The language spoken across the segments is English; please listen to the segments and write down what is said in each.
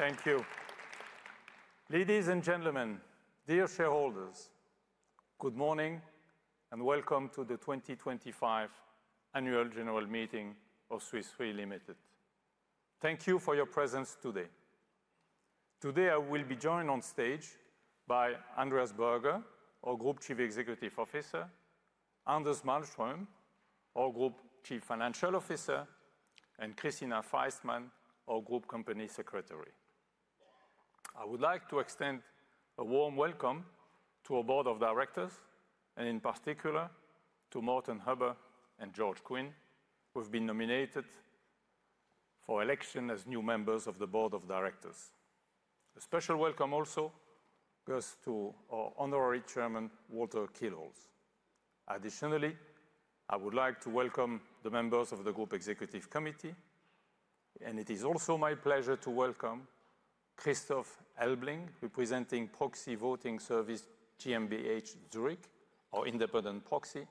Thank you. Ladies and gentlemen, dear shareholders, good morning and welcome to the 2025 Annual General Meeting of Swiss Re Ltd. Thank you for your presence today. Today I will be joined on stage by Andreas Berger, our Group Chief Executive Officer; Anders Malmström, our Group Chief Financial Officer; and Cristina Feistmann, our Group Company Secretary. I would like to extend a warm welcome to our Board of Directors, and in particular to Morten Hübbe and George Quinn, who have been nominated for election as new members of the Board of Directors. A special welcome also goes to our Honorary Chairman, Walter Kielholz. Additionally, I would like to welcome the members of the Group Executive Committee, and it is also my pleasure to welcome Christof Helbling, representing Proxy Voting Services GmbH Zurich, our independent proxy;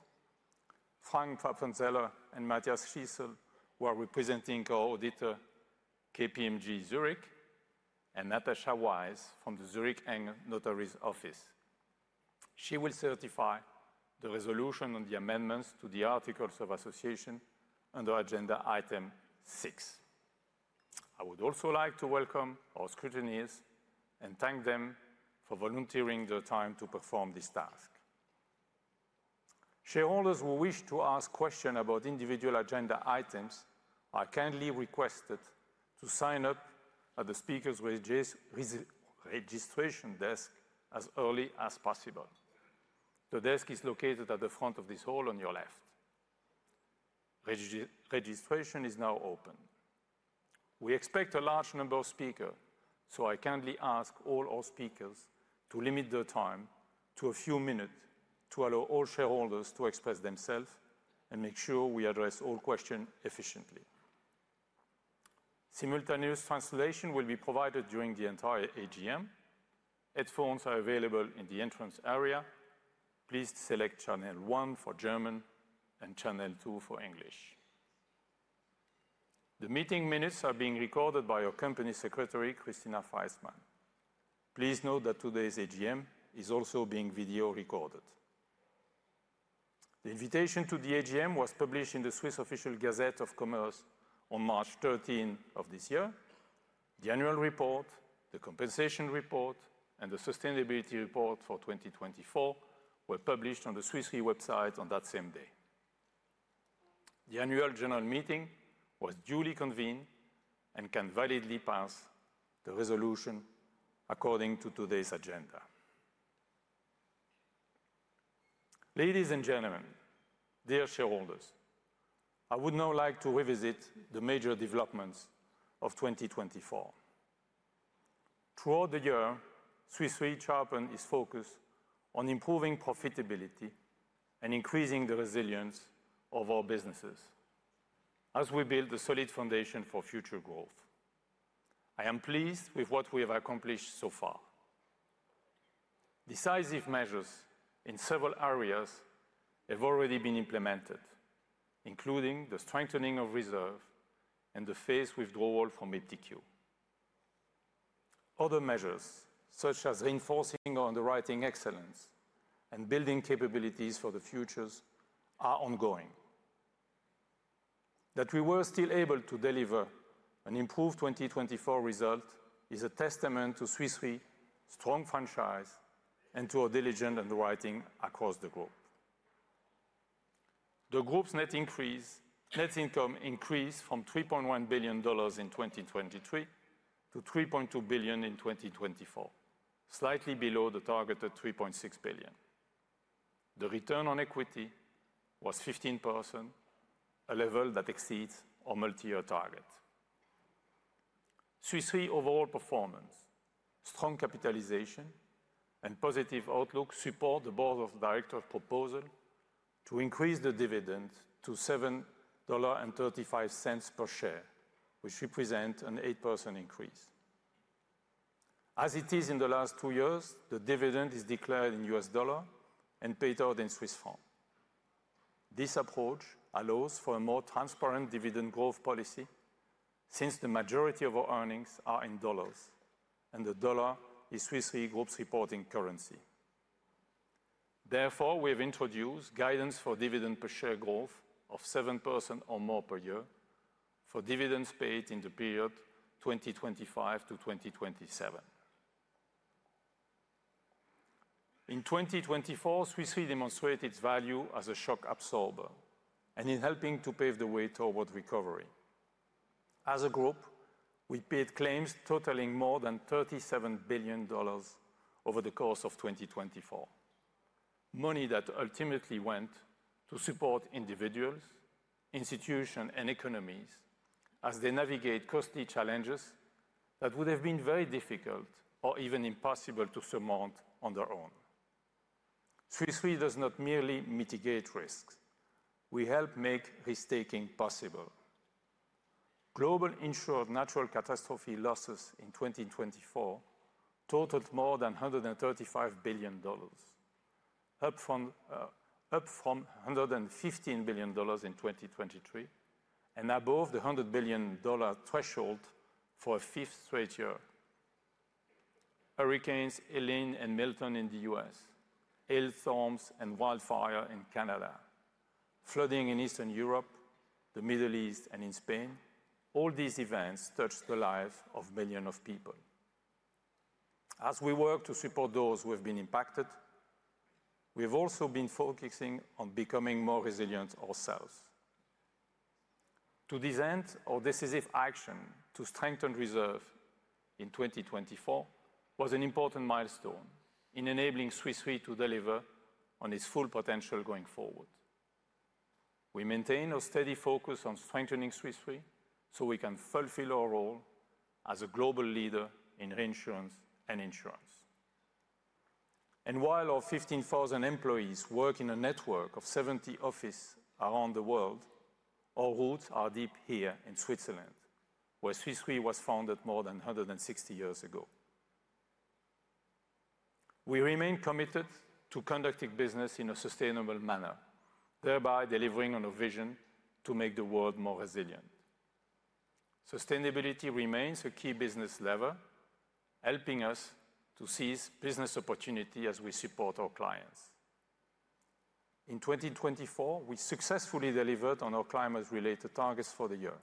Frank Pfaffenzeller and Matthias Schiessl who are representing our auditor, KPMG Zurich; and Natascha Wyss from the Zurich Notary's Office. She will certify the resolutions on the amendments to the Articles of Association under Agenda Item 6. I would also like to welcome our scrutinners and thank them for volunteering their time to perform this task. Shareholders who wish to ask questions about individual agenda items are kindly requested to sign up at the speaker's registration desk as early as possible. The desk is located at the front of this hall on your left. Registration is now open. We expect a large number of speakers, so I kindly ask all our speakers to limit their time to a few minutes to allow all shareholders to express themselves and make sure we address all questions efficiently. Simultaneous translation will be provided during the entire AGM. Headphones are available in the entrance area. Please select Channel 1 for German and Channel 2 for English. The meeting minutes are being recorded by our Company Secretary, Cristina Feistmann. Please note that today's AGM is also being video recorded. The invitation to the AGM was published in the Swiss Official Gazette of Commerce on March 13 of this year. The annual report, the compensation report, and the sustainability report for 2024 were published on the Swiss Re website on that same day. The Annual General Meeting was duly convened and can validly pass the resolution according to today's agenda. Ladies and gentlemen, dear shareholders, I would now like to revisit the major developments of 2024. Throughout the year, Swiss Re is focused on improving profitability and increasing the resilience of our businesses as we build a solid foundation for future growth. I am pleased with what we have accomplished so far. Decisive measures in several areas have already been implemented, including the strengthening of reserves and the phased withdrawal from iptiQ. Other measures, such as reinforcing our underwriting excellence and building capabilities for the future, are ongoing. That we were still able to deliver an improved 2024 result is a testament to Swiss Re's strong franchise and to our diligent underwriting across the group. The group's net income increased from $3.1 billion in 2023 to $3.2 billion in 2024, slightly below the target of $3.6 billion. The return on equity was 15%, a level that exceeds our multi-year target. Swiss Re's overall performance, strong capitalization, and positive outlook support the Board of Directors' proposal to increase the dividend to $7.35 per share, which represents an 8% increase. As it is in the last two years, the dividend is declared in U.S. dollars and paid out in Swiss francs. This approach allows for a more transparent dividend growth policy since the majority of our earnings are in dollars, and the dollar is Swiss Re Group's reporting currency. Therefore, we have introduced guidance for dividend per share growth of 7% or more per year for dividends paid in the period 2025 to 2027. In 2024, Swiss Re demonstrated its value as a shock absorber and in helping to pave the way toward recovery. As a group, we paid claims totaling more than $37 billion over the course of 2024, money that ultimately went to support individuals, institutions, and economies as they navigate costly challenges that would have been very difficult or even impossible to surmount on their own. Swiss Re does not merely mitigate risks. We help make risk-taking possible. Global insured natural catastrophe losses in 2024 totaled more than $135 billion, up from $115 billion in 2023 and above the $100 billion threshold for a fifth straight year. Hurricanes Helene and Milton in the U.S., hailstorms and wildfire in Canada, flooding in Eastern Europe, the Middle East, and in Spain, all these events touched the lives of millions of people. As we work to support those who have been impacted, we have also been focusing on becoming more resilient ourselves. To this end, our decisive action to strengthen reserves in 2024 was an important milestone in enabling Swiss Re to deliver on its full potential going forward. We maintain a steady focus on strengthening Swiss Re so we can fulfill our role as a global leader in reinsurance and insurance. While our 15,000 employees work in a network of 70 offices around the world, our roots are deep here in Switzerland, where Swiss Re was founded more than 160 years ago. We remain committed to conducting business in a sustainable manner, thereby delivering on our vision to make the world more resilient. Sustainability remains a key business lever, helping us to seize business opportunities as we support our clients. In 2024, we successfully delivered on our climate-related targets for the year,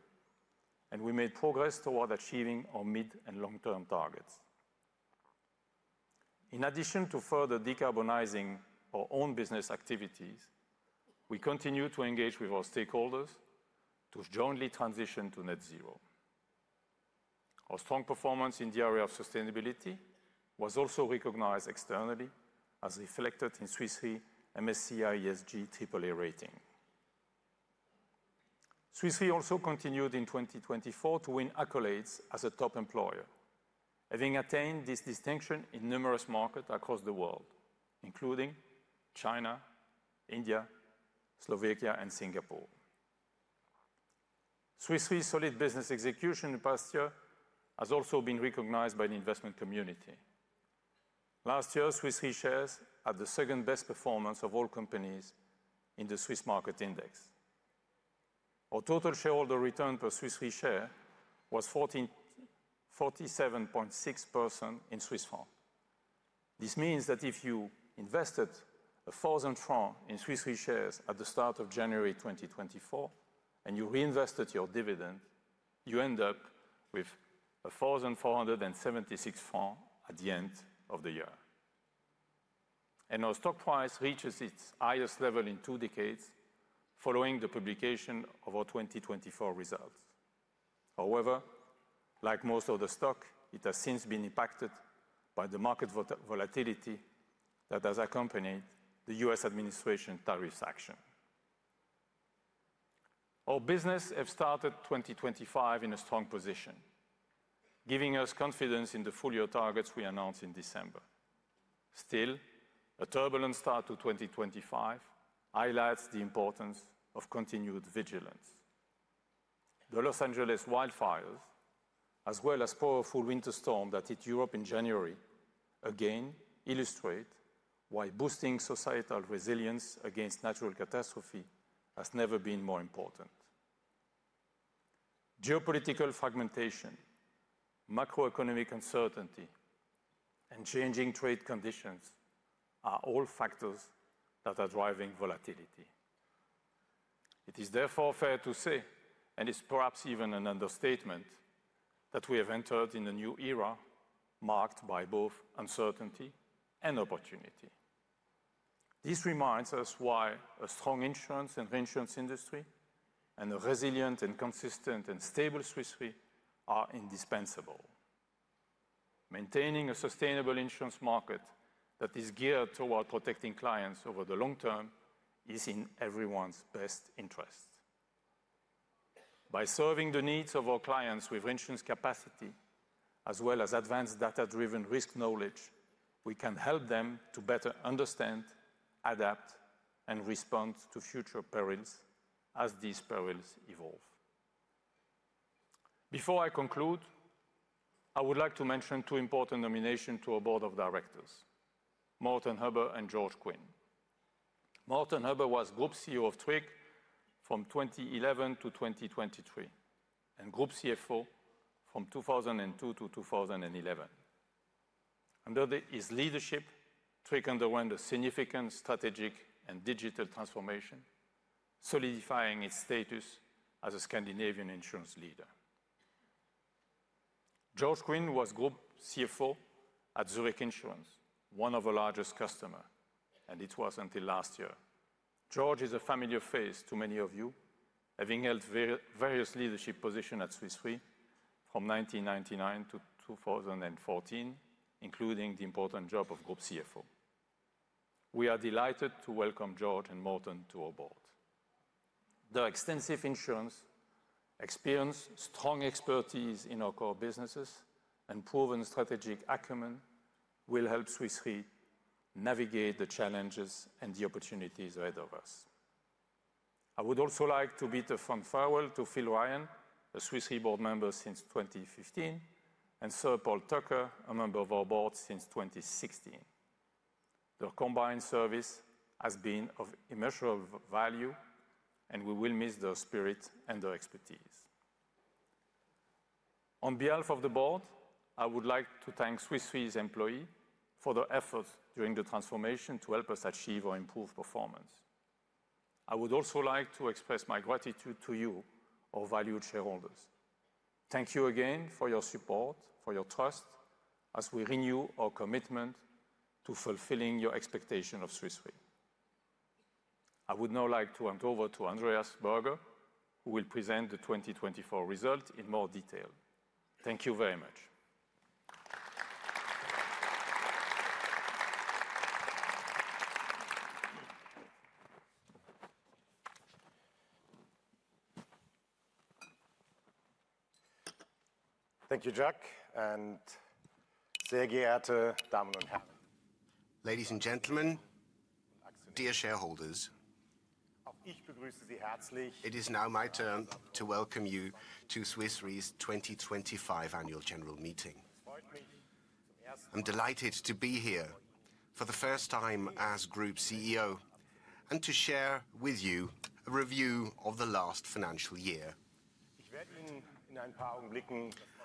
and we made progress toward achieving our mid- and long-term targets. In addition to further decarbonizing our own business activities, we continue to engage with our stakeholders to jointly transition to net zero. Our strong performance in the area of sustainability was also recognized externally as reflected in Swiss Re's MSCI ESG AAA rating. Swiss Re also continued in 2024 to win accolades as a top employer, having attained this distinction in numerous markets across the world, including China, India, Slovakia, and Singapore. Swiss Re's solid business execution in the past year has also been recognized by the investment community. Last year, Swiss Re shares had the second-best performance of all companies in the Swiss market index. Our total shareholder return per Swiss Re share was 47.6% in Swiss Franc. This means that if you invested 1,000 francs in Swiss Re shares at the start of January 2024 and you reinvested your dividend, you end up with 1,476 francs at the end of the year. Our stock price reaches its highest level in two decades following the publication of our 2024 results. However, like most other stocks, it has since been impacted by the market volatility that has accompanied the U.S. administration's tariffs action. Our business has started 2025 in a strong position, giving us confidence in the full year targets we announced in December. Still, a turbulent start to 2025 highlights the importance of continued vigilance. The Los Angeles wildfires, as well as the powerful winter storm that hit Europe in January, again illustrate why boosting societal resilience against natural catastrophe has never been more important. Geopolitical fragmentation, macroeconomic uncertainty, and changing trade conditions are all factors that are driving volatility. It is therefore fair to say, and it's perhaps even an understatement, that we have entered in a new era marked by both uncertainty and opportunity. This reminds us why a strong insurance and reinsurance industry and a resilient, consistent, and stable Swiss Re are indispensable. Maintaining a sustainable insurance market that is geared toward protecting clients over the long term is in everyone's best interest. By serving the needs of our clients with reinsurance capacity, as well as advanced data-driven risk knowledge, we can help them to better understand, adapt, and respond to future perils as these perils evolve. Before I conclude, I would like to mention two important nominations to our Board of Directors: Morten Hübbe and George Quinn. Morten Hübbe was Group CEO of Tryg from 2011 to 2023 and Group CFO from 2002 to 2011. Under his leadership, Tryg underwent a significant strategic and digital transformation, solidifying its status as a Scandinavian insurance leader. George Quinn was Group CFO at Zurich Insurance, one of our largest customers, and it was until last year. George is a familiar face to many of you, having held various leadership positions at Swiss Re from 1999 to 2014, including the important job of Group CFO. We are delighted to welcome George and Morten Hübbe to our board. Their extensive insurance experience, strong expertise in our core businesses, and proven strategic acumen will help Swiss Re navigate the challenges and the opportunities ahead of us. I would also like to bid a fond farewell to Phil Ryan, a Swiss Re board member since 2015, and Sir Paul Tucker, a member of our board since 2016. Their combined service has been of immeasurable value, and we will miss their spirit and their expertise. On behalf of the board, I would like to thank Swiss Re's employees for their efforts during the transformation to help us achieve or improve performance. I would also like to express my gratitude to you, our valued shareholders. Thank you again for your support, for your trust, as we renew our commitment to fulfilling your expectations of Swiss Re. I would now like to hand over to Andreas Berger, who will present the 2024 result in more detail. Thank you very much. Thank you, Jacques, and sehr geehrte Damen und Herren. Ladies and gentlemen, dear shareholders, it is now my turn to welcome you to Swiss Re's 2025 Annual General Meeting. I'm delighted to be here for the first time as Group CEO and to share with you a review of the last financial year.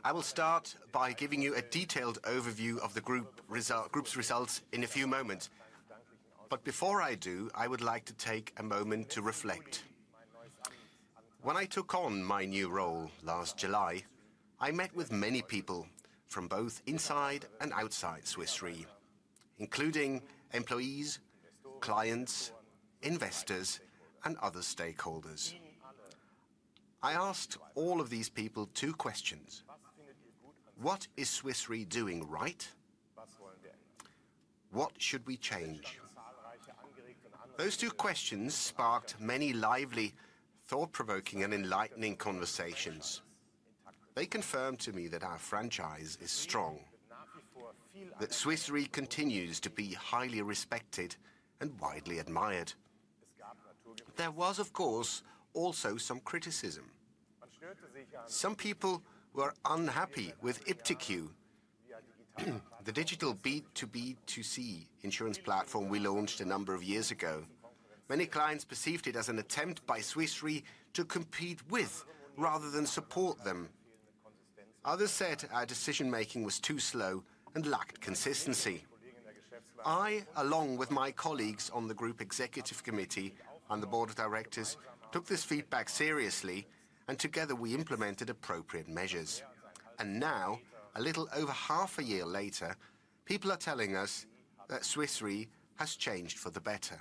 I will start by giving you a detailed overview of the group's results in a few moments. Before I do, I would like to take a moment to reflect. When I took on my new role last July, I met with many people from both inside and outside Swiss Re, including employees, clients, investors, and other stakeholders. I asked all of these people two questions: What is Swiss Re doing right? What should we change? Those two questions sparked many lively, thought-provoking, and enlightening conversations. They confirmed to me that our franchise is strong, that Swiss Re continues to be highly respected and widely admired. There was, of course, also some criticism. Some people were unhappy with iptiQ, the digital B2B2C insurance platform we launched a number of years ago. Many clients perceived it as an attempt by Swiss Re to compete with rather than support them. Others said our decision-making was too slow and lacked consistency. I, along with my colleagues on the Group Executive Committee and the Board of Directors, took this feedback seriously, and together we implemented appropriate measures. Now, a little over half a year later, people are telling us that Swiss Re has changed for the better.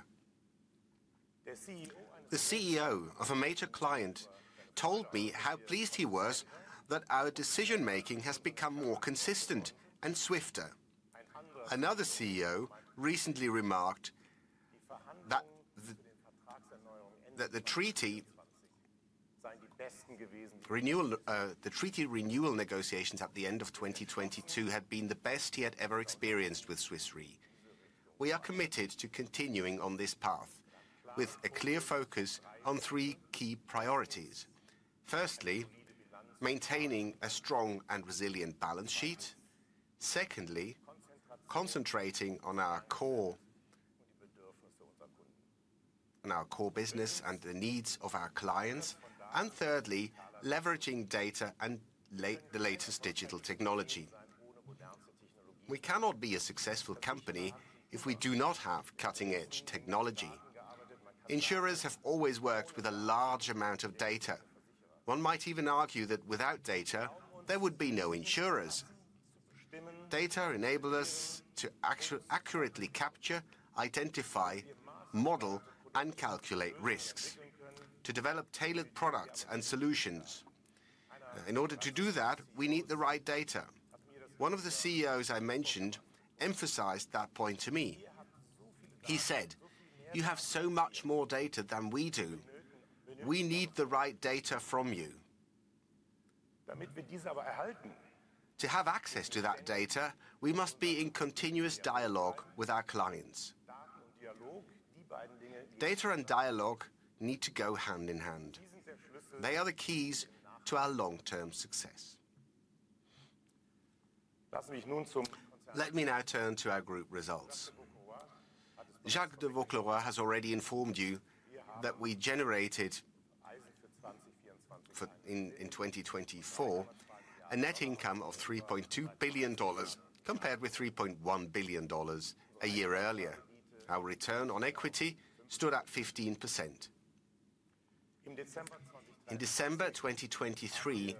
The CEO of a major client told me how pleased he was that our decision-making has become more consistent and swifter. Another CEO recently remarked that the treaty renewal negotiations at the end of 2022 had been the best he had ever experienced with Swiss Re. We are committed to continuing on this path with a clear focus on three key priorities. Firstly, maintaining a strong and resilient balance sheet. Secondly, concentrating on our core business and the needs of our clients. Thirdly, leveraging data and the latest digital technology. We cannot be a successful company if we do not have cutting-edge technology. Insurers have always worked with a large amount of data. One might even argue that without data, there would be no insurers. Data enables us to accurately capture, identify, model, and calculate risks to develop tailored products and solutions. In order to do that, we need the right data. One of the CEOs I mentioned emphasized that point to me. He said, "You have so much more data than we do. We need the right data from you. To have access to that data, we must be in continuous dialogue with our clients. Data and dialogue need to go hand in hand. They are the keys to our long-term success. Let me now turn to our group results. Jacques de Vaucleroy has already informed you that we generated in 2024 a net income of $3.2 billion compared with $3.1 billion a year earlier. Our return on equity stood at 15%. In December 2023,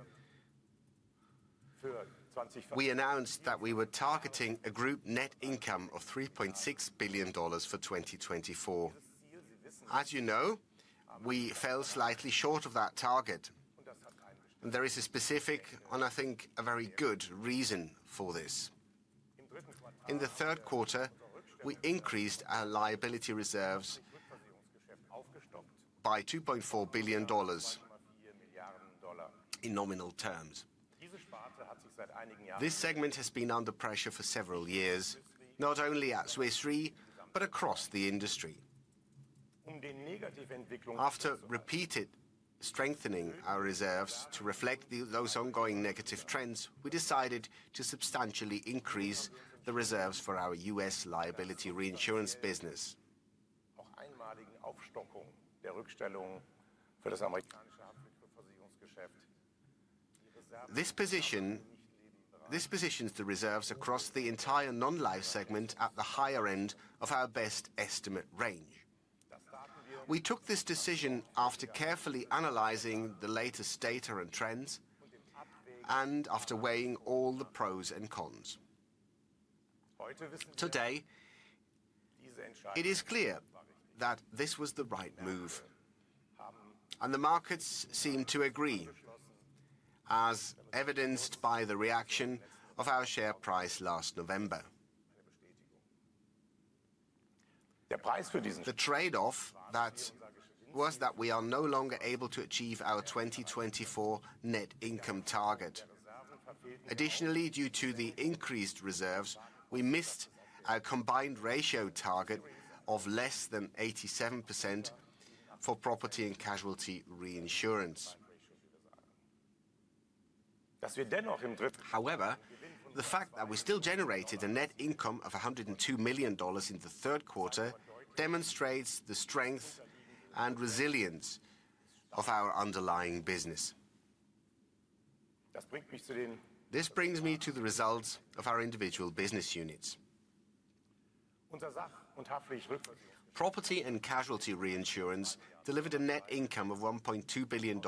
we announced that we were targeting a group net income of $3.6 billion for 2024. As you know, we fell slightly short of that target. There is a specific, and I think a very good reason for this. In the third quarter, we increased our liability reserves by $2.4 billion in nominal terms. This segment has been under pressure for several years, not only at Swiss Re, but across the industry. After repeated strengthening our reserves to reflect those ongoing negative trends, we decided to substantially increase the reserves for our U.S. liability reinsurance business. This positions the reserves across the entire non-life segment at the higher end of our best estimate range. We took this decision after carefully analyzing the latest data and trends and after weighing all the pros and cons. Today, it is clear that this was the right move, and the markets seem to agree, as evidenced by the reaction of our share price last November. The trade-off was that we are no longer able to achieve our 2024 net income target. Additionally, due to the increased reserves, we missed our combined ratio target of less than 87% for property and casualty reinsurance. However, the fact that we still generated a net income of $102 million in the third quarter demonstrates the strength and resilience of our underlying business. This brings me to the results of our individual business units. Property and Casualty Reinsurance delivered a net income of $1.2 billion,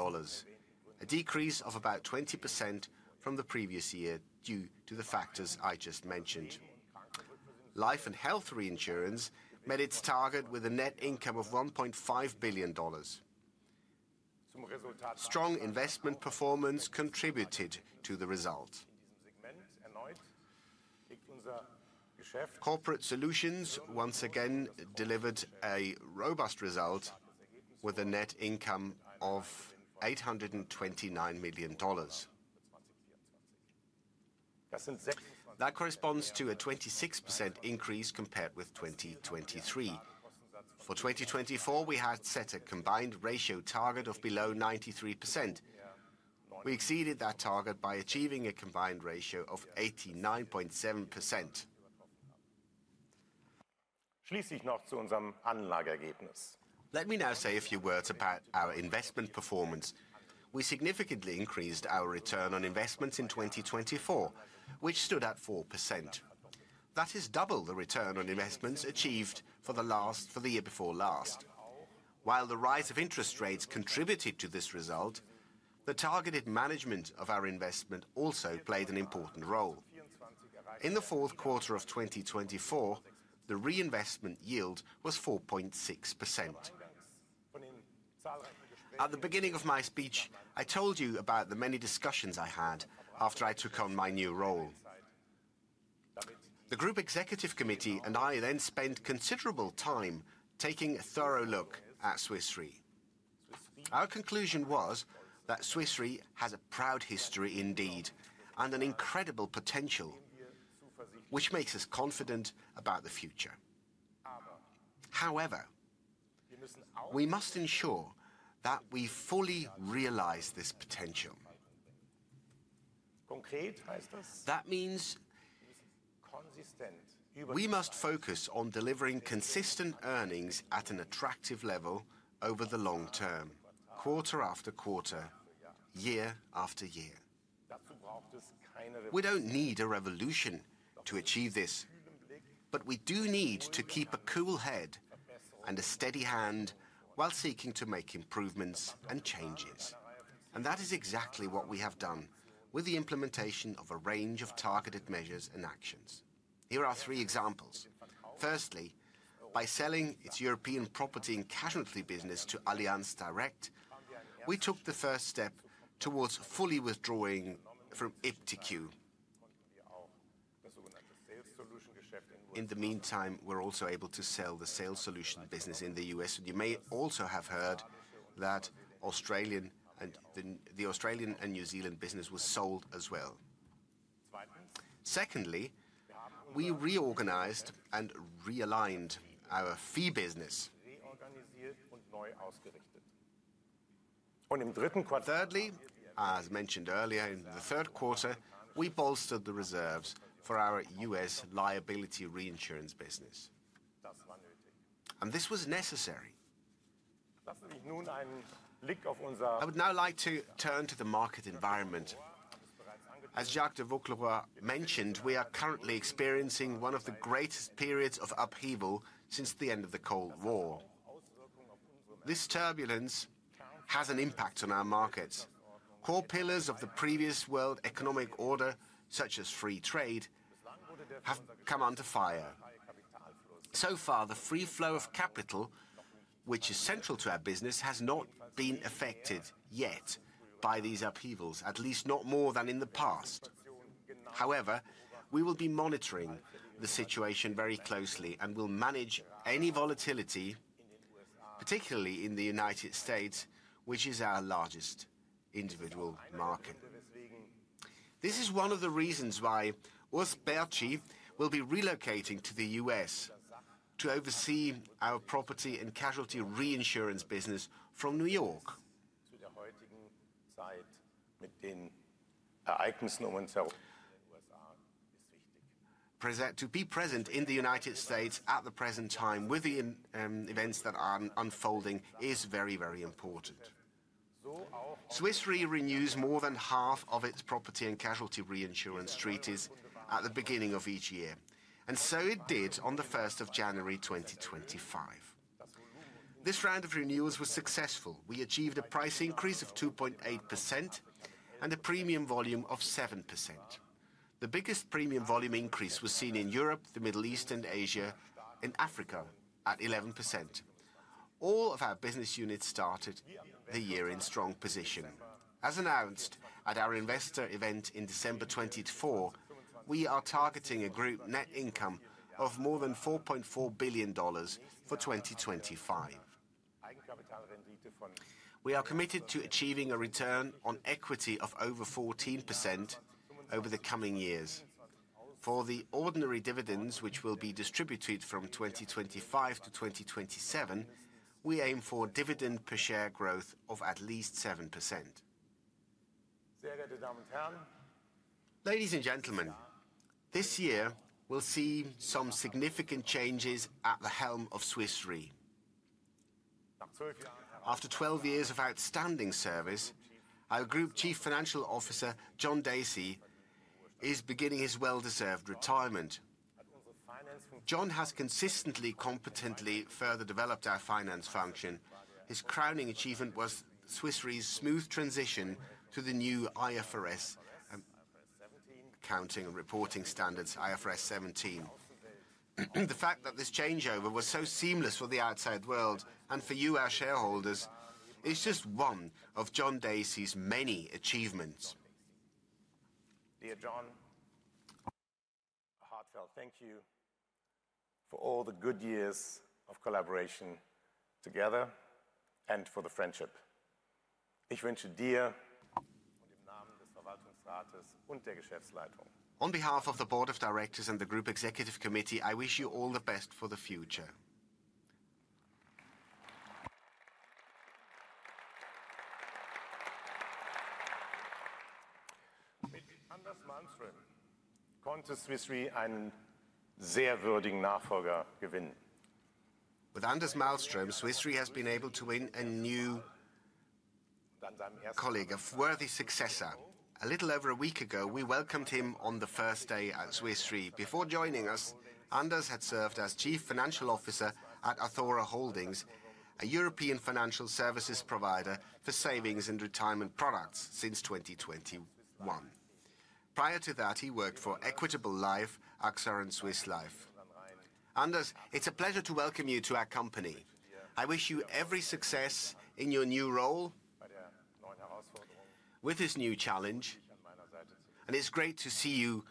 a decrease of about 20% from the previous year due to the factors I just mentioned. Life & Health Reinsurance met its target with a net income of $1.5 billion. Strong investment performance contributed to the result. Corporate Solutions once again delivered a robust result with a net income of $829 million. That corresponds to a 26% increase compared with 2023. For 2024, we had set a combined ratio target of below 93%. We exceeded that target by achieving a combined ratio of 89.7%. Let me now say a few words about our investment performance. We significantly increased our return on investments in 2024, which stood at 4%. That is double the return on investments achieved for the year before last. While the rise of interest rates contributed to this result, the targeted management of our investment also played an important role. In the fourth quarter of 2024, the reinvestment yield was 4.6%. At the beginning of my speech, I told you about the many discussions I had after I took on my new role. The Group Executive Committee and I then spent considerable time taking a thorough look at Swiss Re. Our conclusion was that Swiss Re has a proud history indeed and an incredible potential, which makes us confident about the future. However, we must ensure that we fully realize this potential. That means we must focus on delivering consistent earnings at an attractive level over the long term, quarter after quarter, year after year. We don't need a revolution to achieve this, but we do need to keep a cool head and a steady hand while seeking to make improvements and changes. That is exactly what we have done with the implementation of a range of targeted measures and actions. Here are three examples. Firstly, by selling its European property and casualty business to Allianz Direct, we took the first step towards fully withdrawing from iptiQ. In the meantime, we're also able to sell the sales solution business in the U.S.. You may also have heard that the Australian and New Zealand business was sold as well. Secondly, we reorganized and realigned our fee business. Thirdly, as mentioned earlier, in the third quarter, we bolstered the reserves for our U.S. liability reinsurance business. This was necessary. I would now like to turn to the market environment. As Jacques de Vaucleroy mentioned, we are currently experiencing one of the greatest periods of upheaval since the end of the Cold War. This turbulence has an impact on our markets. Core pillars of the previous world economic order, such as free trade, have come under fire. So far, the free flow of capital, which is central to our business, has not been affected yet by these upheavals, at least not more than in the past. However, we will be monitoring the situation very closely and will manage any volatility, particularly in the United States, which is our largest individual market. This is one of the reasons why Urs Baertschi will be relocating to the U.S. to oversee our property and casualty reinsurance business from New York. To be present in the United States at the present time with the events that are unfolding is very, very important. Swiss Re renews more than half of its property and casualty reinsurance treaties at the beginning of each year. It did so on the 1st of January 2025. This round of renewals was successful. We achieved a price increase of 2.8% and a premium volume of 7%. The biggest premium volume increase was seen in Europe, the Middle East, and Asia, in Africa at 11%. All of our business units started the year in strong position. As announced at our investor event in December 2024, we are targeting a group net income of more than $4.4 billion for 2025. We are committed to achieving a return on equity of over 14% over the coming years. For the ordinary dividends, which will be distributed from 2025-2027, we aim for dividend per share growth of at least 7%. Ladies and gentlemen, this year, we'll see some significant changes at the helm of Swiss Re. After 12 years of outstanding service, our Group Chief Financial Officer, John Dacey, is beginning his well-deserved retirement. John has consistently competently further developed our finance function. His crowning achievement was Swiss Re's smooth transition to the new IFRS Accounting and Reporting Standards, IFRS 17. The fact that this changeover was so seamless for the outside world and for you, our shareholders, is just one of John Dacey's many achievements. Dear John, heartfelt thank you for all the good years of collaboration together and for the friendship. Ich wünsche dir und im Namen des Verwaltungsrates und der Geschäftsleitung. On behalf of the Board of Directors and the Group Executive Committee, I wish you all the best for the future. Mit Anders Malmström konnte Swiss Re einen sehr würdigen Nachfolger gewinnen. With Anders Malmström, Swiss Re has been able to win a new colleague, a worthy successor. A little over a week ago, we welcomed him on the first day at Swiss Re. Before joining us, Anders had served as Chief Financial Officer at Athora Holdings, a European financial services provider for savings and retirement products since 2021. Prior to that, he worked for Equitable Life, AXA, and Swiss Life. Anders, it's a pleasure to welcome you to our company. I wish you every success in your new role with this new challenge. It's great to see you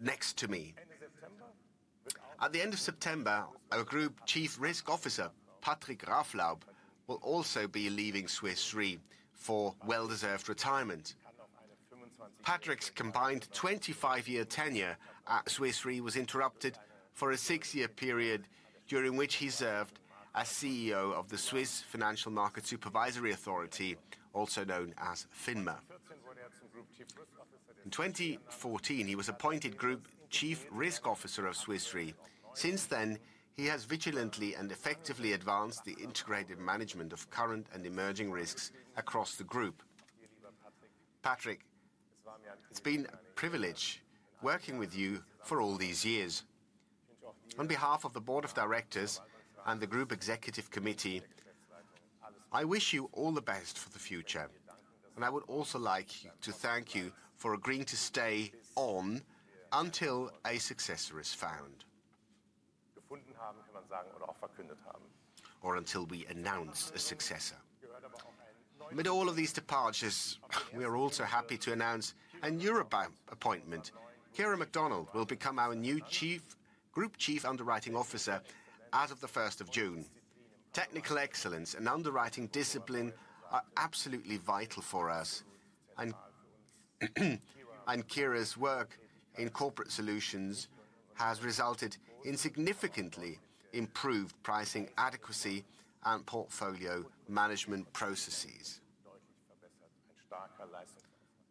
next to me. At the end of September, our Group Chief Risk Officer, Patrick Raaflaub, will also be leaving Swiss Re for well-deserved retirement. Patrick's combined 25-year tenure at Swiss Re was interrupted for a six-year period during which he served as CEO of the Swiss Financial Market Supervisory Authority, also known as FINMA. In 2014, he was appointed Group Chief Risk Officer of Swiss Re. Since then, he has vigilantly and effectively advanced the integrated management of current and emerging risks across the group. Patrick, it's been a privilege working with you for all these years. On behalf of the Board of Directors and the Group Executive Committee, I wish you all the best for the future. I would also like to thank you for agreeing to stay on until a successor is found. Or until we announce a successor. With all of these departures, we are also happy to announce a new appointment. Kera McDonald will become our new Group Chief Underwriting Officer as of the 1st of June. Technical excellence and underwriting discipline are absolutely vital for us. Kera's work in Corporate Solutions has resulted in significantly improved pricing adequacy and portfolio management processes,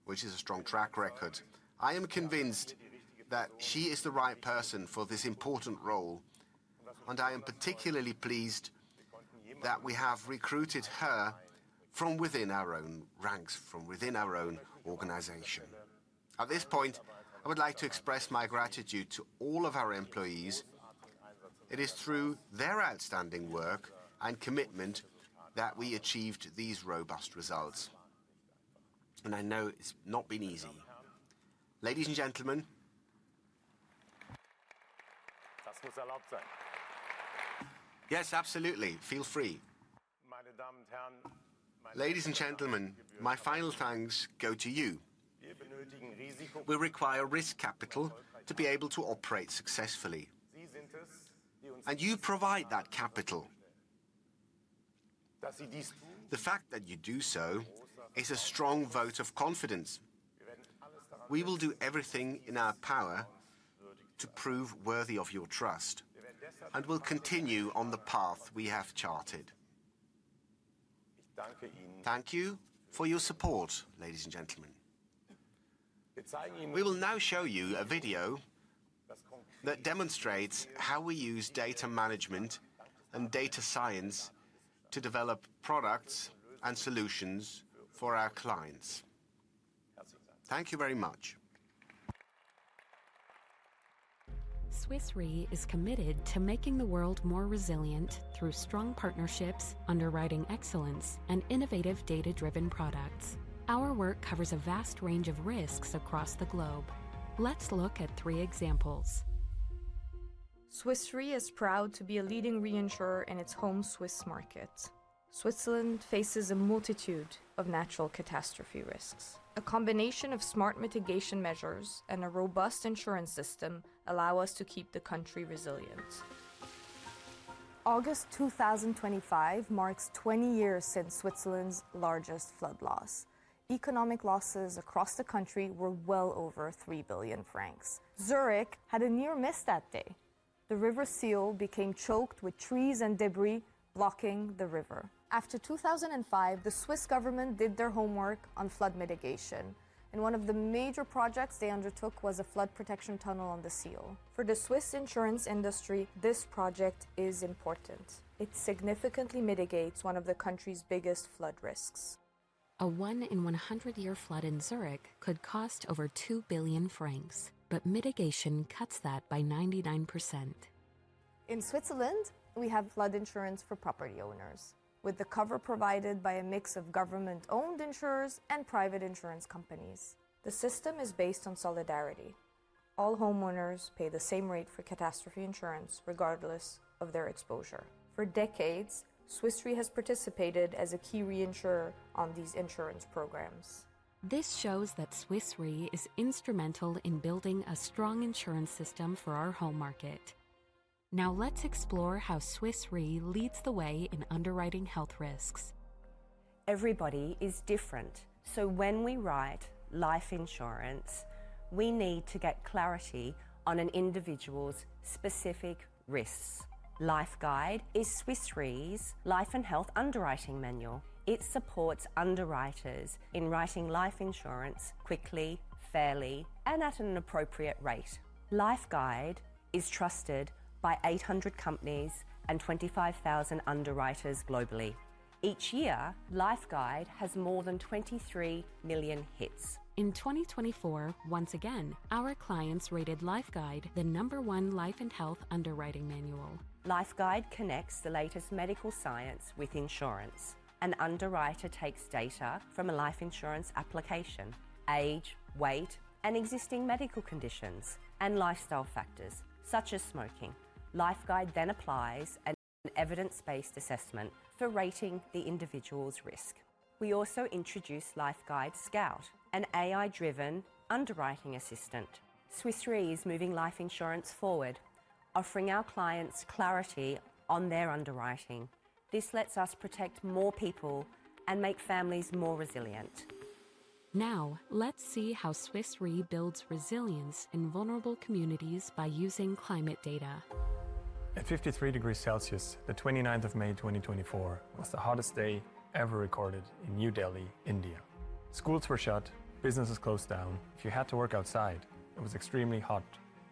which is a strong track record. I am convinced that she is the right person for this important role. I am particularly pleased that we have recruited her from within our own ranks, from within our own organization. At this point, I would like to express my gratitude to all of our employees. It is through their outstanding work and commitment that we achieved these robust results. I know it's not been easy. Ladies and gentlemen, yes, absolutely, feel free. Ladies and gentlemen, my final thanks go to you. We require risk capital to be able to operate successfully. You provide that capital. The fact that you do so is a strong vote of confidence. We will do everything in our power to prove worthy of your trust and will continue on the path we have charted. Thank you for your support, ladies and gentlemen. We will now show you a video that demonstrates how we use data management and data science to develop products and solutions for our clients. Thank you very much. Swiss Re is committed to making the world more resilient through strong partnerships, underwriting excellence, and innovative data-driven products. Our work covers a vast range of risks across the globe. Let's look at three examples. Swiss Re is proud to be a leading reinsurer in its home Swiss market. Switzerland faces a multitude of natural catastrophe risks. A combination of smart mitigation measures and a robust insurance system allow us to keep the country resilient. August 2025 marks 20 years since Switzerland's largest flood loss. Economic losses across the country were well over 3 billion francs. Zurich had a near miss that day. The River Sihl became choked with trees and debris blocking the river. After 2005, the Swiss government did their homework on flood mitigation. One of the major projects they undertook was a flood protection tunnel on the Sihl. For the Swiss insurance industry, this project is important. It significantly mitigates one of the country's biggest flood risks. A one-in-100-year flood in Zurich could cost over 2 billion francs. Mitigation cuts that by 99%. In Switzerland, we have flood insurance for property owners with the cover provided by a mix of government-owned insurers and private insurance companies. The system is based on solidarity. All homeowners pay the same rate for catastrophe insurance regardless of their exposure. For decades, Swiss Re has participated as a key reinsurer on these insurance programs. This shows that Swiss Re is instrumental in building a strong insurance system for our home market. Now let's explore how Swiss Re leads the way in underwriting health risks. Everybody is different. So when we write life insurance, we need to get clarity on an individual's specific risks. Life Guide is Swiss Re's Life & Health underwriting manual. It supports underwriters in writing life insurance quickly, fairly, and at an appropriate rate. Life Guide is trusted by 800 companies and 25,000 underwriters globally. Each year, Life Guide has more than 23 million hits. In 2024, once again, our clients rated Life Guide the number one Life & Health underwriting manual. Life Guide connects the latest medical science with insurance. An underwriter takes data from a life insurance application: age, weight, and existing medical conditions, and lifestyle factors such as smoking. Life Guide then applies an evidence-based assessment for rating the individual's risk. We also introduce Life Guide Scout, an AI-driven underwriting assistant. Swiss Re is moving life insurance forward, offering our clients clarity on their underwriting. This lets us protect more people and make families more resilient. Now let's see how Swiss Re builds resilience in vulnerable communities by using climate data. At 53 degrees Celsius, the 29th of May 2024 was the hottest day ever recorded in New Delhi, India. Schools were shut, businesses closed down. If you had to work outside, it was extremely hot,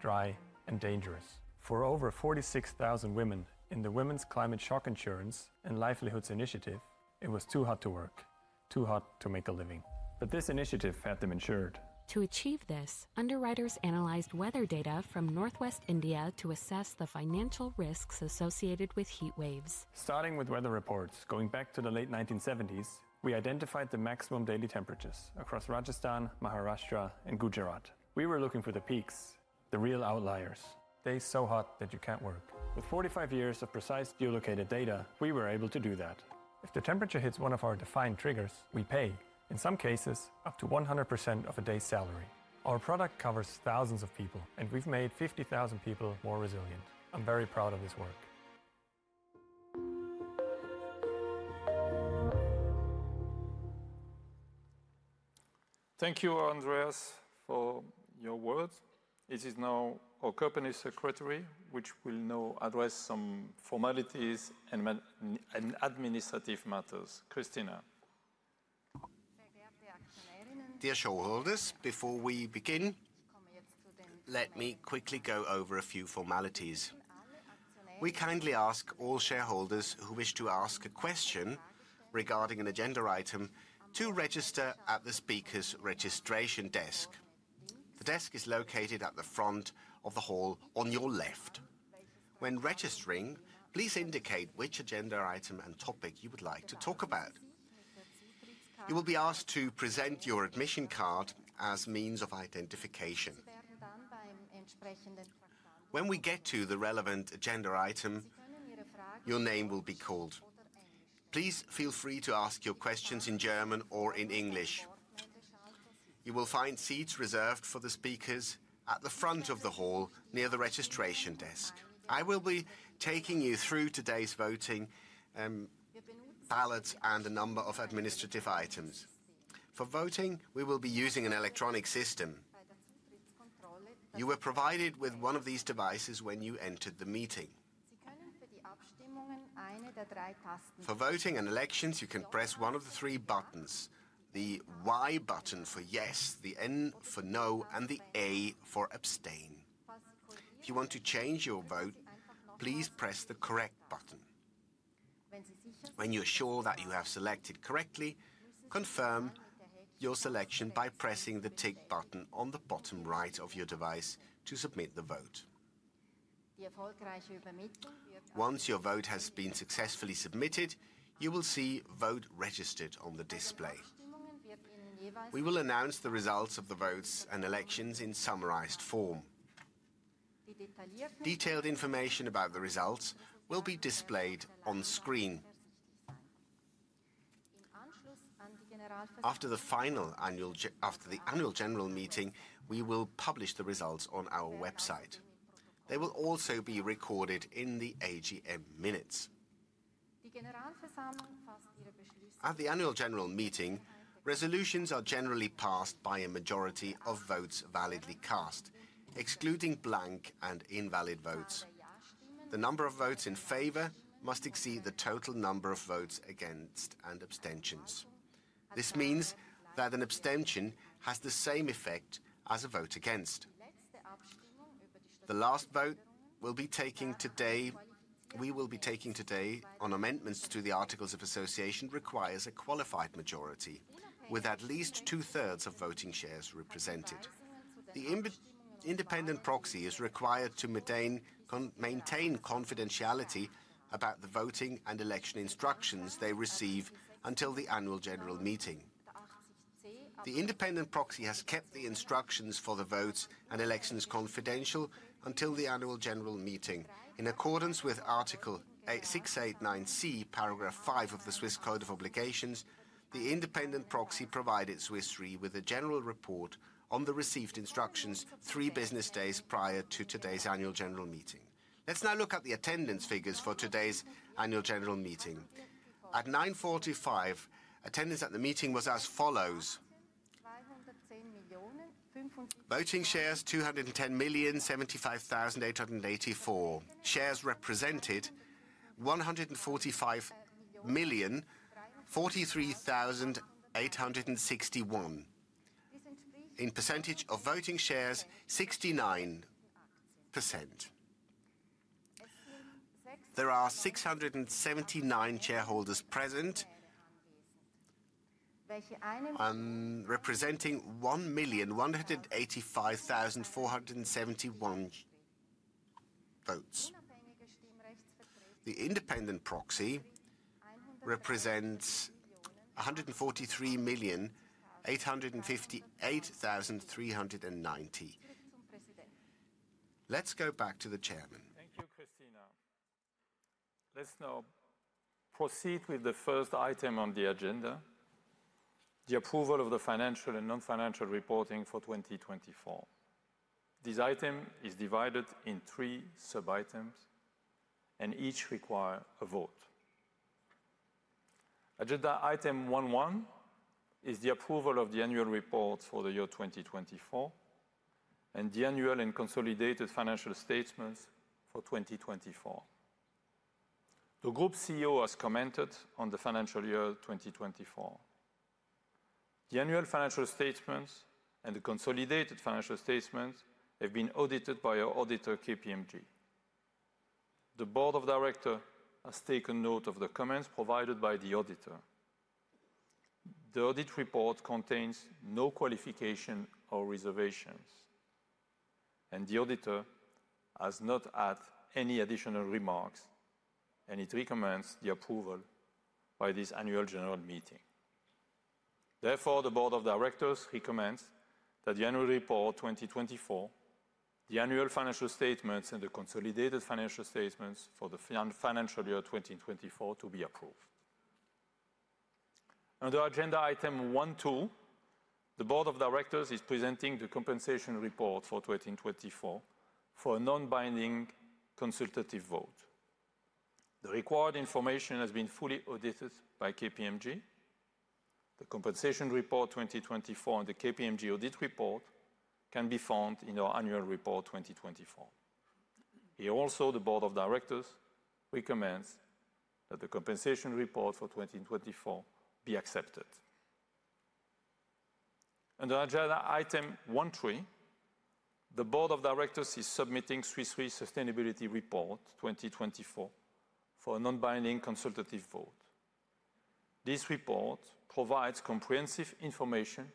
dry, and dangerous. For over 46,000 women in the Women's Climate Shock Insurance and Livelihoods Initiative, it was too hot to work, too hot to make a living. This initiative had them insured. To achieve this, underwriters analyzed weather data from northwest India to assess the financial risks associated with heat waves. Starting with weather reports, going back to the late 1970s, we identified the maximum daily temperatures across Rajasthan, Maharashtra, and Gujarat. We were looking for the peaks, the real outliers. Days so hot that you can't work. With 45 years of precise geolocated data, we were able to do that. If the temperature hits one of our defined triggers, we pay. In some cases, up to 100% of a day's salary. Our product covers thousands of people, and we've made 50,000 people more resilient. I'm very proud of this work. Thank you, Andreas, for your words. This is now our company secretary, which will now address some formalities and administrative matters. Cristina. Dear shareholders, before we begin, let me quickly go over a few formalities. We kindly ask all shareholders who wish to ask a question regarding an agenda item to register at the speaker's registration desk. The desk is located at the front of the hall on your left. When registering, please indicate which agenda item and topic you would like to talk about. You will be asked to present your admission card as means of identification. When we get to the relevant agenda item, your name will be called. Please feel free to ask your questions in German or in English. You will find seats reserved for the speakers at the front of the hall near the registration desk. I will be taking you through today's voting ballots and a number of administrative items. For voting, we will be using an electronic system. You were provided with one of these devices when you entered the meeting. For voting and elections, you can press one of the three buttons: the Y button for yes, the N for no, and the A for abstain. If you want to change your vote, please press the correct button. When you're sure that you have selected correctly, confirm your selection by pressing the tick button on the bottom right of your device to submit the vote. Once your vote has been successfully submitted, you will see "Vote registered" on the display. We will announce the results of the votes and elections in summarized form. Detailed information about the results will be displayed on screen. After the final Annual General Meeting, we will publish the results on our website. They will also be recorded in the AGM minutes. At the Annual General Meeting, resolutions are generally passed by a majority of votes validly cast, excluding blank and invalid votes. The number of votes in favor must exceed the total number of votes against and abstentions. This means that an abstention has the same effect as a vote against. The last vote we will be taking today on amendments to the Articles of Association requires a qualified majority with at least two-thirds of voting shares represented. The independent proxy is required to maintain confidentiality about the voting and election instructions they receive until the Annual General Meeting. The independent proxy has kept the instructions for the votes and elections confidential until the Annual General Meeting. In accordance with Article 689C, paragraph 5 of the Swiss Code of Obligations, the independent proxy provided Swiss Re with a general report on the received instructions three business days prior to today's Annual General Meeting. Let's now look at the attendance figures for today's Annual General Meeting. At 9:45, attendance at the meeting was as follows: Voting shares, 210,075,884 shares represented, 145,043,861 in percentage of voting shares, 69%. There are 679 shareholders present representing 1,185,471 votes. The independent proxy represents 143,858,390. Let's go back to the chairman. Thank you, Cristina. Let's now proceed with the first item on the agenda, the approval of the financial and non-financial reporting for 2024. This item is divided in three sub-items, and each requires a vote. Agenda item 1.1 is the approval of the annual report for the year 2024 and the annual and consolidated financial statements for 2024. The Group CEO has commented on the financial year 2024. The annual financial statements and the consolidated financial statements have been audited by our auditor, KPMG. The Board of Directors has taken note of the comments provided by the auditor. The audit report contains no qualification or reservations, and the auditor has not added any additional remarks, and it recommends the approval by this Annual General Meeting. Therefore, the Board of Directors recommends that the annual report 2024, the annual financial statements, and the consolidated financial statements for the financial year 2024 be approved. Under agenda item 1.2, the Board of Directors is presenting the compensation report for 2024 for a non-binding consultative vote. The required information has been fully audited by KPMG. The compensation report 2024 and the KPMG audit report can be found in our annual report 2024. Here, also, the Board of Directors recommends that the compensation report for 2024 be accepted. Under agenda item 1.3, the Board of Directors is submitting Swiss Re's sustainability report 2024 for a non-binding consultative vote. This report provides comprehensive information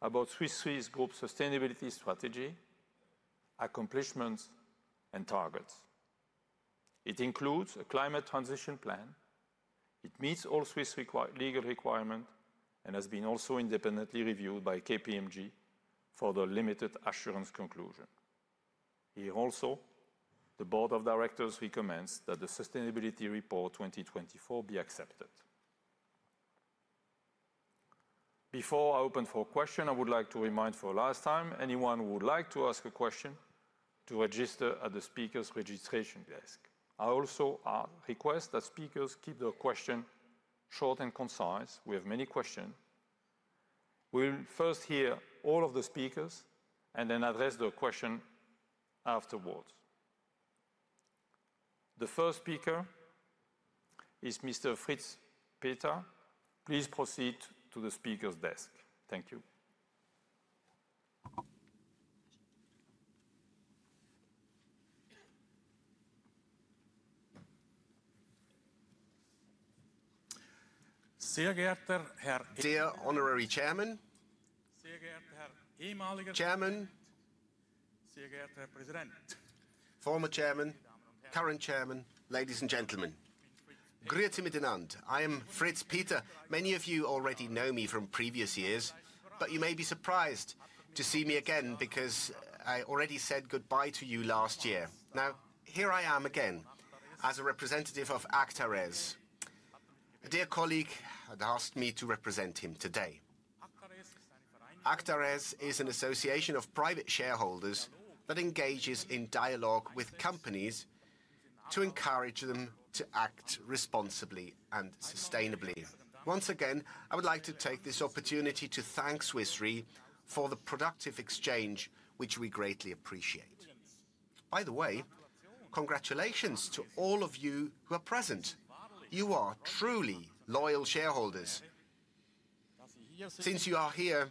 about Swiss Re's group sustainability strategy, accomplishments, and targets. It includes a climate transition plan. It meets all Swiss legal requirements and has been also independently reviewed by KPMG for the limited assurance conclusion. Here, also, the Board of Directors recommends that the sustainability report 2024 be accepted. Before I open for questions, I would like to remind for the last time, anyone who would like to ask a question to register at the speaker's registration desk. I also request that speakers keep their questions short and concise. We have many questions. We'll first hear all of the speakers and then address their questions afterwards. The first speaker is Mr. Fritz Peter. Please proceed to the speaker's desk. Thank you. Sehr geehrter Herr. Dear Honorary Chairman. Sehr geehrter Herr ehemaliger Chairman. Sehr geehrter Herr Präsident. Former Chairman, current Chairman, ladies and gentlemen. Grüezi miteinander. I am Fritz Peter. Many of you already know me from previous years, but you may be surprised to see me again because I already said goodbye to you last year. Now, here I am again as a representative of Actares. A dear colleague had asked me to represent him today. Actares is an association of private shareholders that engages in dialogue with companies to encourage them to act responsibly and sustainably. Once again, I would like to take this opportunity to thank Swiss Re for the productive exchange, which we greatly appreciate. By the way, congratulations to all of you who are present. You are truly loyal shareholders. Since you are here,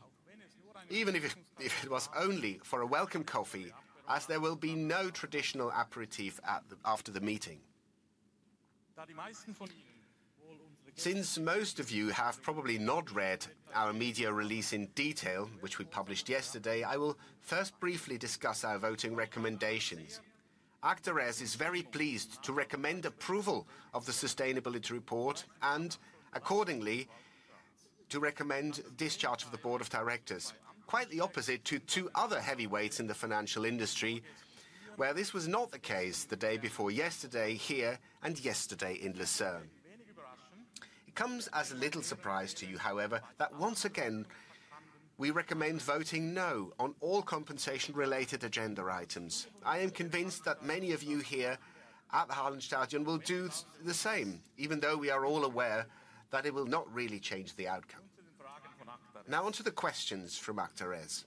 even if it was only for a welcome coffee, as there will be no traditional aperitif after the meeting. Since most of you have probably not read our media release in detail, which we published yesterday, I will first briefly discuss our voting recommendations. Actares is very pleased to recommend approval of the sustainability report and, accordingly, to recommend discharge of the Board of Directors. Quite the opposite to two other heavyweights in the financial industry, where this was not the case the day before yesterday here and yesterday in Lucerne. It comes as a little surprise to you, however, that once again, we recommend voting no on all compensation-related agenda items. I am convinced that many of you here at the Harlem Stadion will do the same, even though we are all aware that it will not really change the outcome. Now, on to the questions from Actares.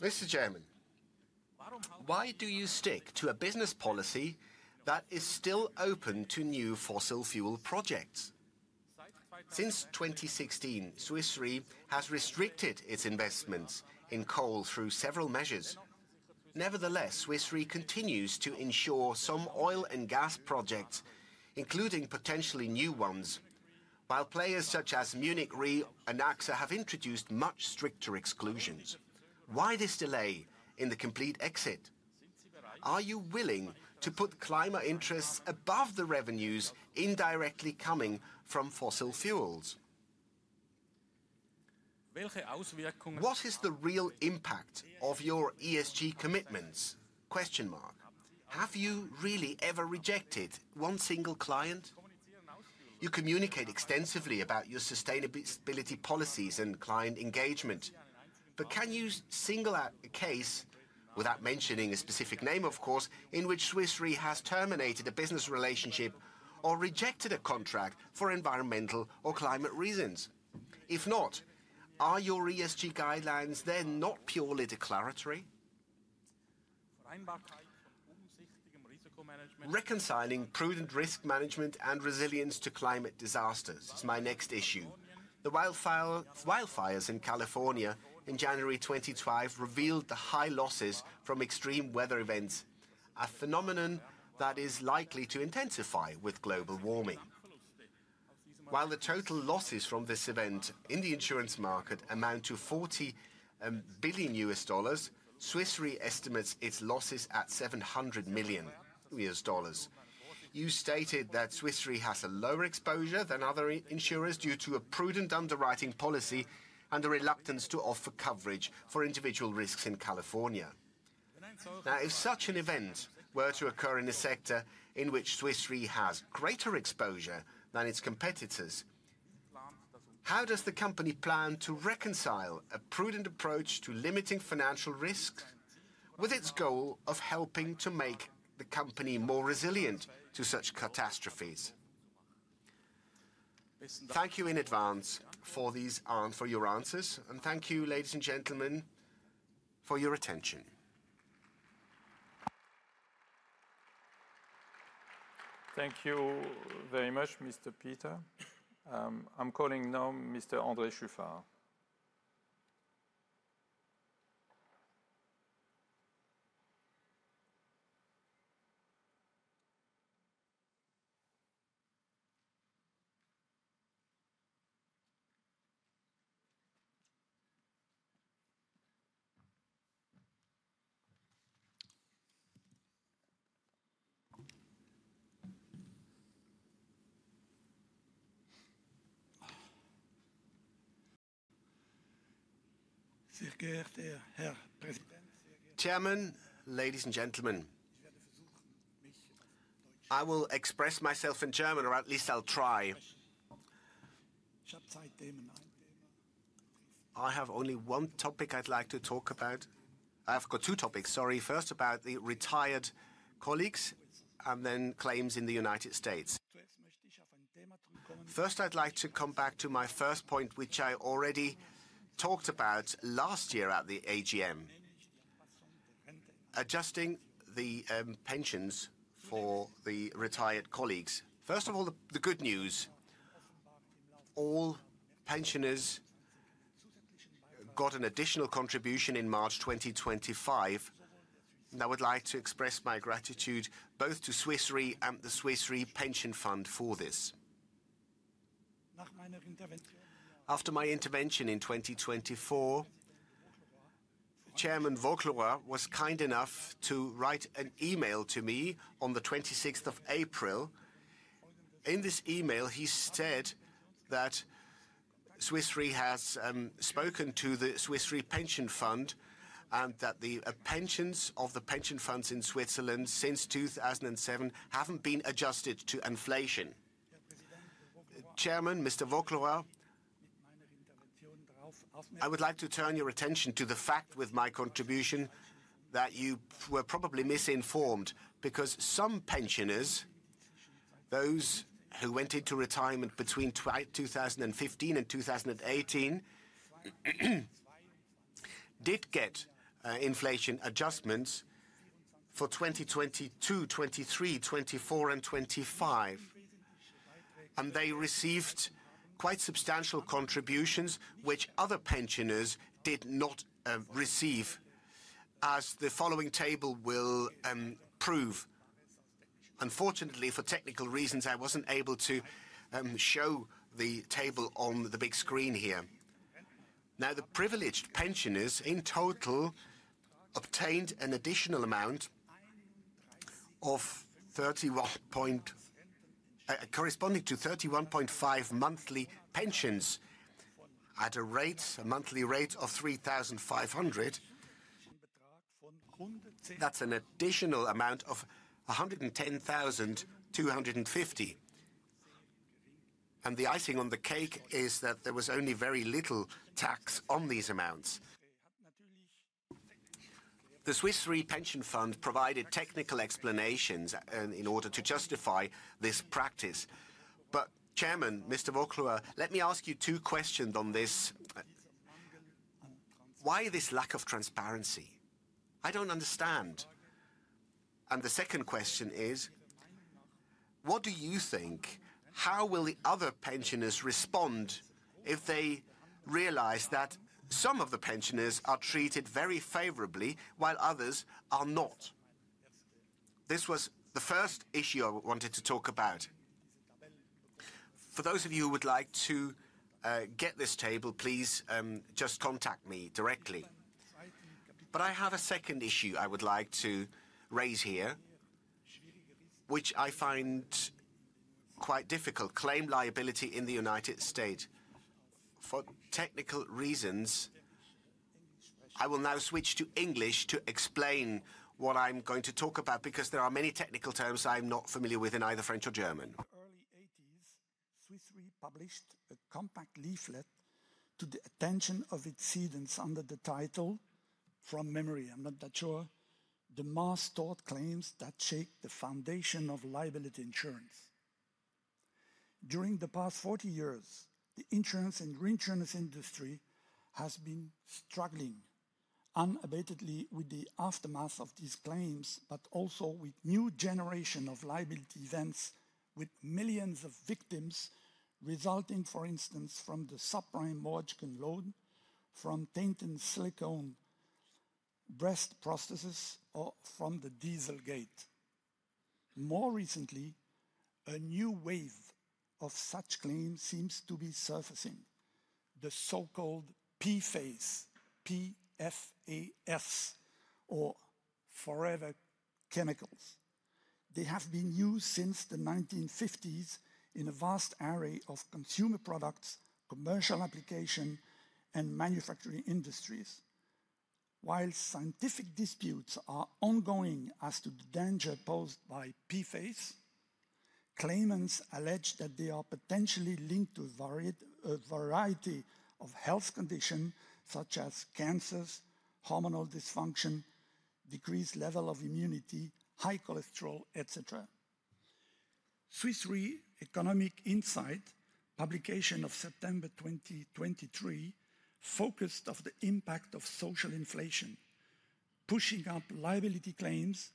Mr. Chairman, why do you stick to a business policy that is still open to new fossil fuel projects? Since 2016, Swiss Re has restricted its investments in coal through several measures. Nevertheless, Swiss Re continues to insure some oil and gas projects, including potentially new ones, while players such as Munich Re and AXA have introduced much stricter exclusions. Why this delay in the complete exit? Are you willing to put climate interests above the revenues indirectly coming from fossil fuels? What is the real impact of your ESG commitments? Have you really ever rejected one single client? You communicate extensively about your sustainability policies and client engagement, but can you single out a case, without mentioning a specific name, of course, in which Swiss Re has terminated a business relationship or rejected a contract for environmental or climate reasons? If not, are your ESG guidelines then not purely declaratory? Reconciling prudent risk management and resilience to climate disasters is my next issue. The wildfires in California in January 2012 revealed the high losses from extreme weather events, a phenomenon that is likely to intensify with global warming. While the total losses from this event in the insurance market amount to $40 billion, Swiss Re estimates its losses at $700 million. You stated that Swiss Re has a lower exposure than other insurers due to a prudent underwriting policy and a reluctance to offer coverage for individual risks in California. Now, if such an event were to occur in a sector in which Swiss Re has greater exposure than its competitors, how does the company plan to reconcile a prudent approach to limiting financial risks with its goal of helping to make the company more resilient to such catastrophes? Thank you in advance for your answers, and thank you, ladies and gentlemen, for your attention. Thank you very much, Mr. Peter. I'm calling now Mr. André Schäfer Sehr geehrter Herr Präsident. Chairman, ladies and gentlemen, I will express myself in German, or at least I'll try. I have only one topic I'd like to talk about. I've got two topics, sorry. First, about the retired colleagues, and then claims in the United States. First, I'd like to come back to my first point, which I already talked about last year at the AGM, adjusting the pensions for the retired colleagues. First of all, the good news, all pensioners got an additional contribution in March 2025, and I would like to express my gratitude both to Swiss Re and the Swiss Re Pension Fund for this. After my intervention in 2024, Chairman Vaucleroy was kind enough to write an email to me on the 26th of April. In this email, he said that Swiss Re has spoken to the Swiss Re Pension Fund and that the pensions of the pension funds in Switzerland since 2007 haven't been adjusted to inflation. Chairman, Mr. Vaucleroy, I would like to turn your attention to the fact with my contribution that you were probably misinformed because some pensioners, those who went into retirement between 2015 and 2018, did get inflation adjustments for 2022, 2023, 2024, and 2025, and they received quite substantial contributions, which other pensioners did not receive, as the following table will prove. Unfortunately, for technical reasons, I wasn't able to show the table on the big screen here. Now, the privileged pensioners in total obtained an additional amount of 31.5 monthly pensions at a monthly rate of 3,500. That's an additional amount of 110,250. The icing on the cake is that there was only very little tax on these amounts. The Swiss Re Pension Fund provided technical explanations in order to justify this practice. Chairman, Mr. Vaucleroy, let me ask you two questions on this. Why this lack of transparency? I don't understand. The second question is, what do you think? How will the other pensioners respond if they realize that some of the pensioners are treated very favorably while others are not? This was the first issue I wanted to talk about. For those of you who would like to get this table, please just contact me directly. I have a second issue I would like to raise here, which I find quite difficult: claim liability in the United States. For technical reasons, I will now switch to English to explain what I'm going to talk about because there are many technical terms I'm not familiar with in either French or German. In the early 1980s, Swiss Re published a compact leaflet to the attention of its students under the title, "From Memory." I'm not that sure. The mass-thought claims that shake the foundation of liability insurance. During the past 40 years, the insurance and reinsurance industry has been struggling unabatedly with the aftermath of these claims, but also with a new generation of liability events with millions of victims resulting, for instance, from the subprime mortgage loan, from tainted silicone breast prosthesis, or from the Dieselgate. More recently, a new wave of such claims seems to be surfacing, the so-called PFAS, or forever chemicals. They have been used since the 1950s in a vast array of consumer products, commercial applications, and manufacturing industries. While scientific disputes are ongoing as to the danger posed by PFAS, claimants allege that they are potentially linked to a variety of health conditions such as cancers, hormonal dysfunction, decreased level of immunity, high cholesterol, etc. Swiss Re Economic Insight, publication of September 2023, focused on the impact of social inflation. Pushing up liability claims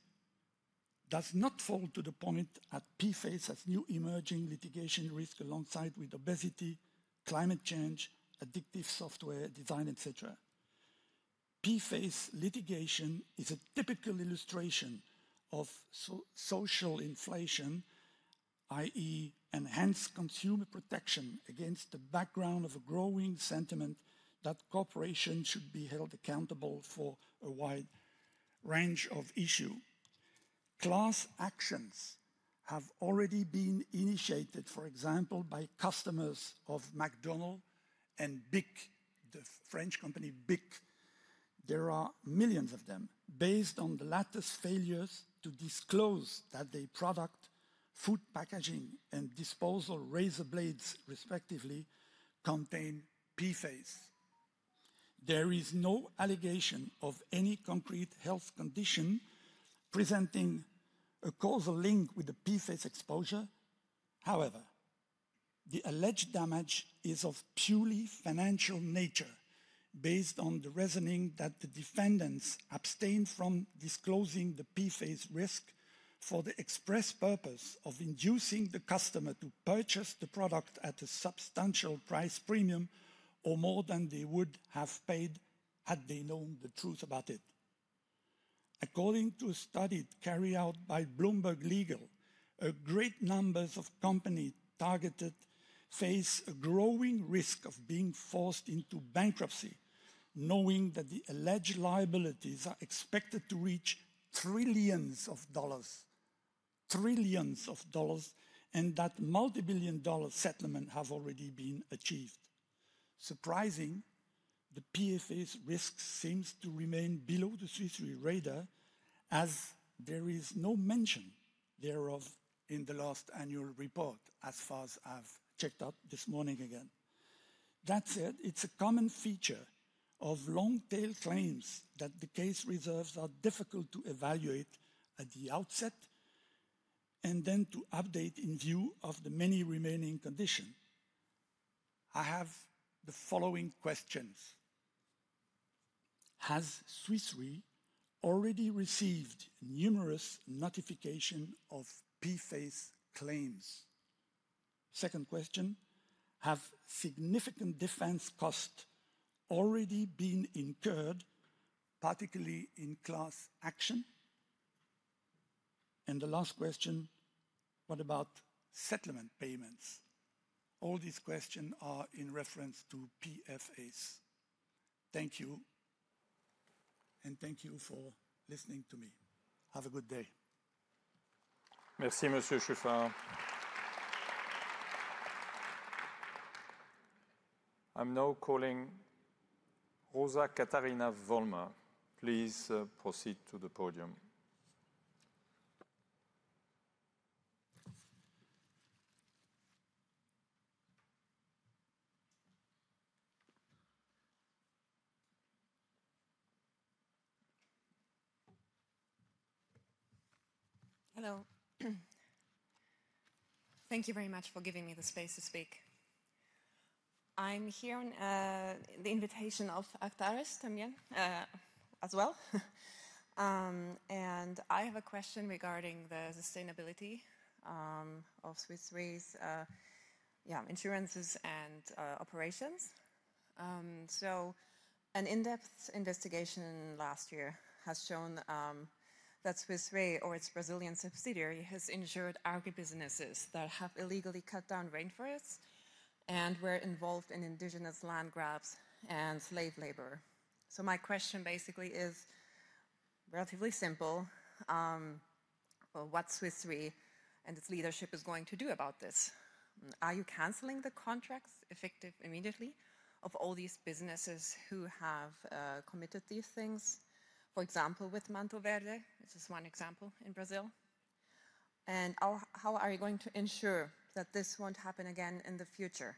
does not fall to the point at PFAS as new emerging litigation risk alongside obesity, climate change, addictive software design, etc. PFAS litigation is a typical illustration of social inflation, i.e., enhanced consumer protection against the background of a growing sentiment that corporations should be held accountable for a wide range of issues. Class actions have already been initiated, for example, by customers of McDonald's and BIC, the French company BIC. There are millions of them. Based on the latter's failures to disclose that their product, food packaging, and disposable razor blades, respectively, contain PFAS. There is no allegation of any concrete health condition presenting a causal link with the PFAS exposure. However, the alleged damage is of purely financial nature, based on the reasoning that the defendants abstain from disclosing the PFAS risk for the express purpose of inducing the customer to purchase the product at a substantial price premium or more than they would have paid had they known the truth about it. According to a study carried out by Bloomberg Legal, a great number of companies targeted face a growing risk of being forced into bankruptcy, knowing that the alleged liabilities are expected to reach trillions of dollars, trillions of dollars, and that multi-billion dollar settlements have already been achieved. Surprisingly, the PFAS risk seems to remain below the Swiss Re radar, as there is no mention thereof in the last annual report, as far as I've checked out this morning again. That said, it's a common feature of long-tail claims that the case reserves are difficult to evaluate at the outset and then to update in view of the many remaining conditions. I have the following questions. Has Swiss Re already received numerous notifications of PFAS claims? Second question, have significant defense costs already been incurred, particularly in class action? The last question, what about settlement payments? All these questions are in reference to PFAS. Thank you, and thank you for listening to me. Have a good day. Merci, Monsier Schäfer. I'm now calling Rosa Katarina Vollmer. Please proceed to the podium. Hello. Thank you very much for giving me the space to speak. I'm here on the invitation of Actares as well. I have a question regarding the sustainability of Swiss Re's insurances and operations. An in-depth investigation last year has shown that Swiss Re, or its Brazilian subsidiary, has insured agribusinesses that have illegally cut down rainforests and were involved in indigenous land grabs and slave labor. My question basically is relatively simple. What is Swiss Re and its leadership going to do about this? Are you canceling the contracts effective immediately of all these businesses who have committed these things? For example, with Manto Verde, which is one example in Brazil. How are you going to ensure that this will not happen again in the future?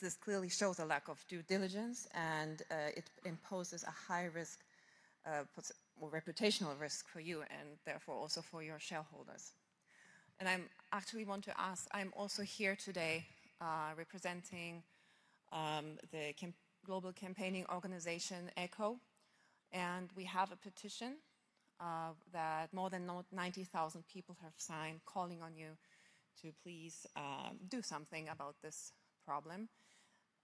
This clearly shows a lack of due diligence, and it imposes a high risk, reputational risk for you, and therefore also for your shareholders. I actually want to ask, I'm also here today representing the global campaigning organization Ekō. We have a petition that more than 90,000 people have signed, calling on you to please do something about this problem.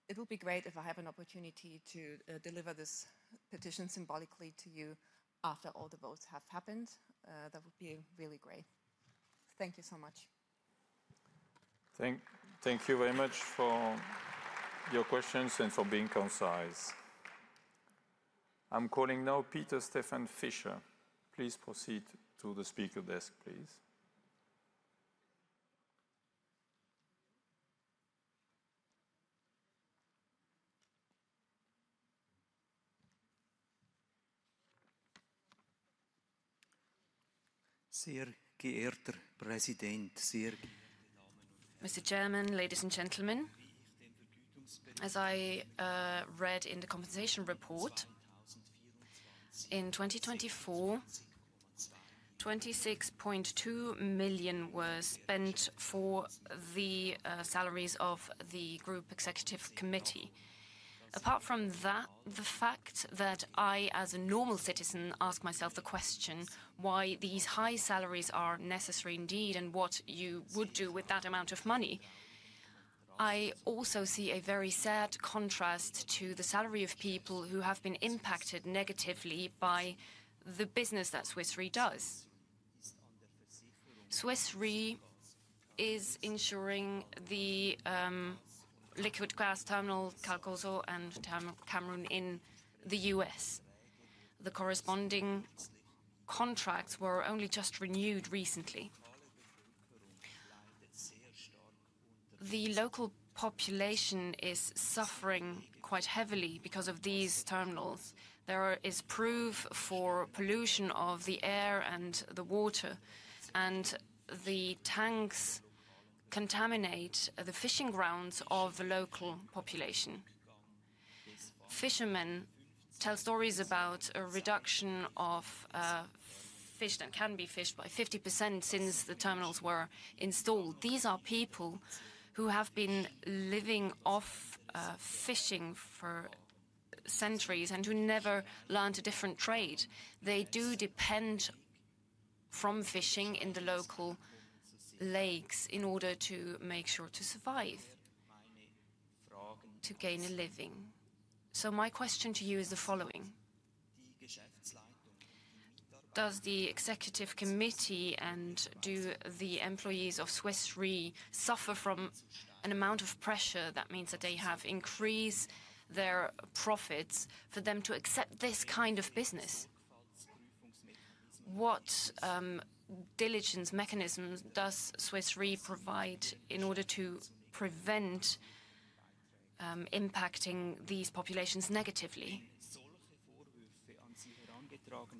It would be great if I have an opportunity to deliver this petition symbolically to you after all the votes have happened. That would be really great. Thank you so much. Thank you very much for your questions and for being concise. I'm calling now Peter Stefan Fischer. Please proceed to the speaker desk, please. Sehr geehrter Präsident, sehr geehrte Damen und Herren. Mr. Chairman, ladies and gentlemen, as I read in the compensation report, in 2024, 26.2 million was spent for the salaries of the Group Executive Committee. Apart from that, the fact that I, as a normal citizen, ask myself the question why these high salaries are necessary indeed and what you would do with that amount of money, I also see a very sad contrast to the salary of people who have been impacted negatively by the business that Swiss Re does. Swiss Re is insuring the liquid gas terminal, Calcasieu Pass, and Cameron in the U.S.. The corresponding contracts were only just renewed recently. The local population is suffering quite heavily because of these terminals. There is proof for pollution of the air and the water, and the tanks contaminate the fishing grounds of the local population. Fishermen tell stories about a reduction of fish that can be fished by 50% since the terminals were installed. These are people who have been living off fishing for centuries and who never learned a different trade. They do depend on fishing in the local lakes in order to make sure to survive, to gain a living. My question to you is the following: Does the executive committee and do the employees of Swiss Re suffer from an amount of pressure that means that they have increased their profits for them to accept this kind of business? What diligence mechanisms does Swiss Re provide in order to prevent impacting these populations negatively?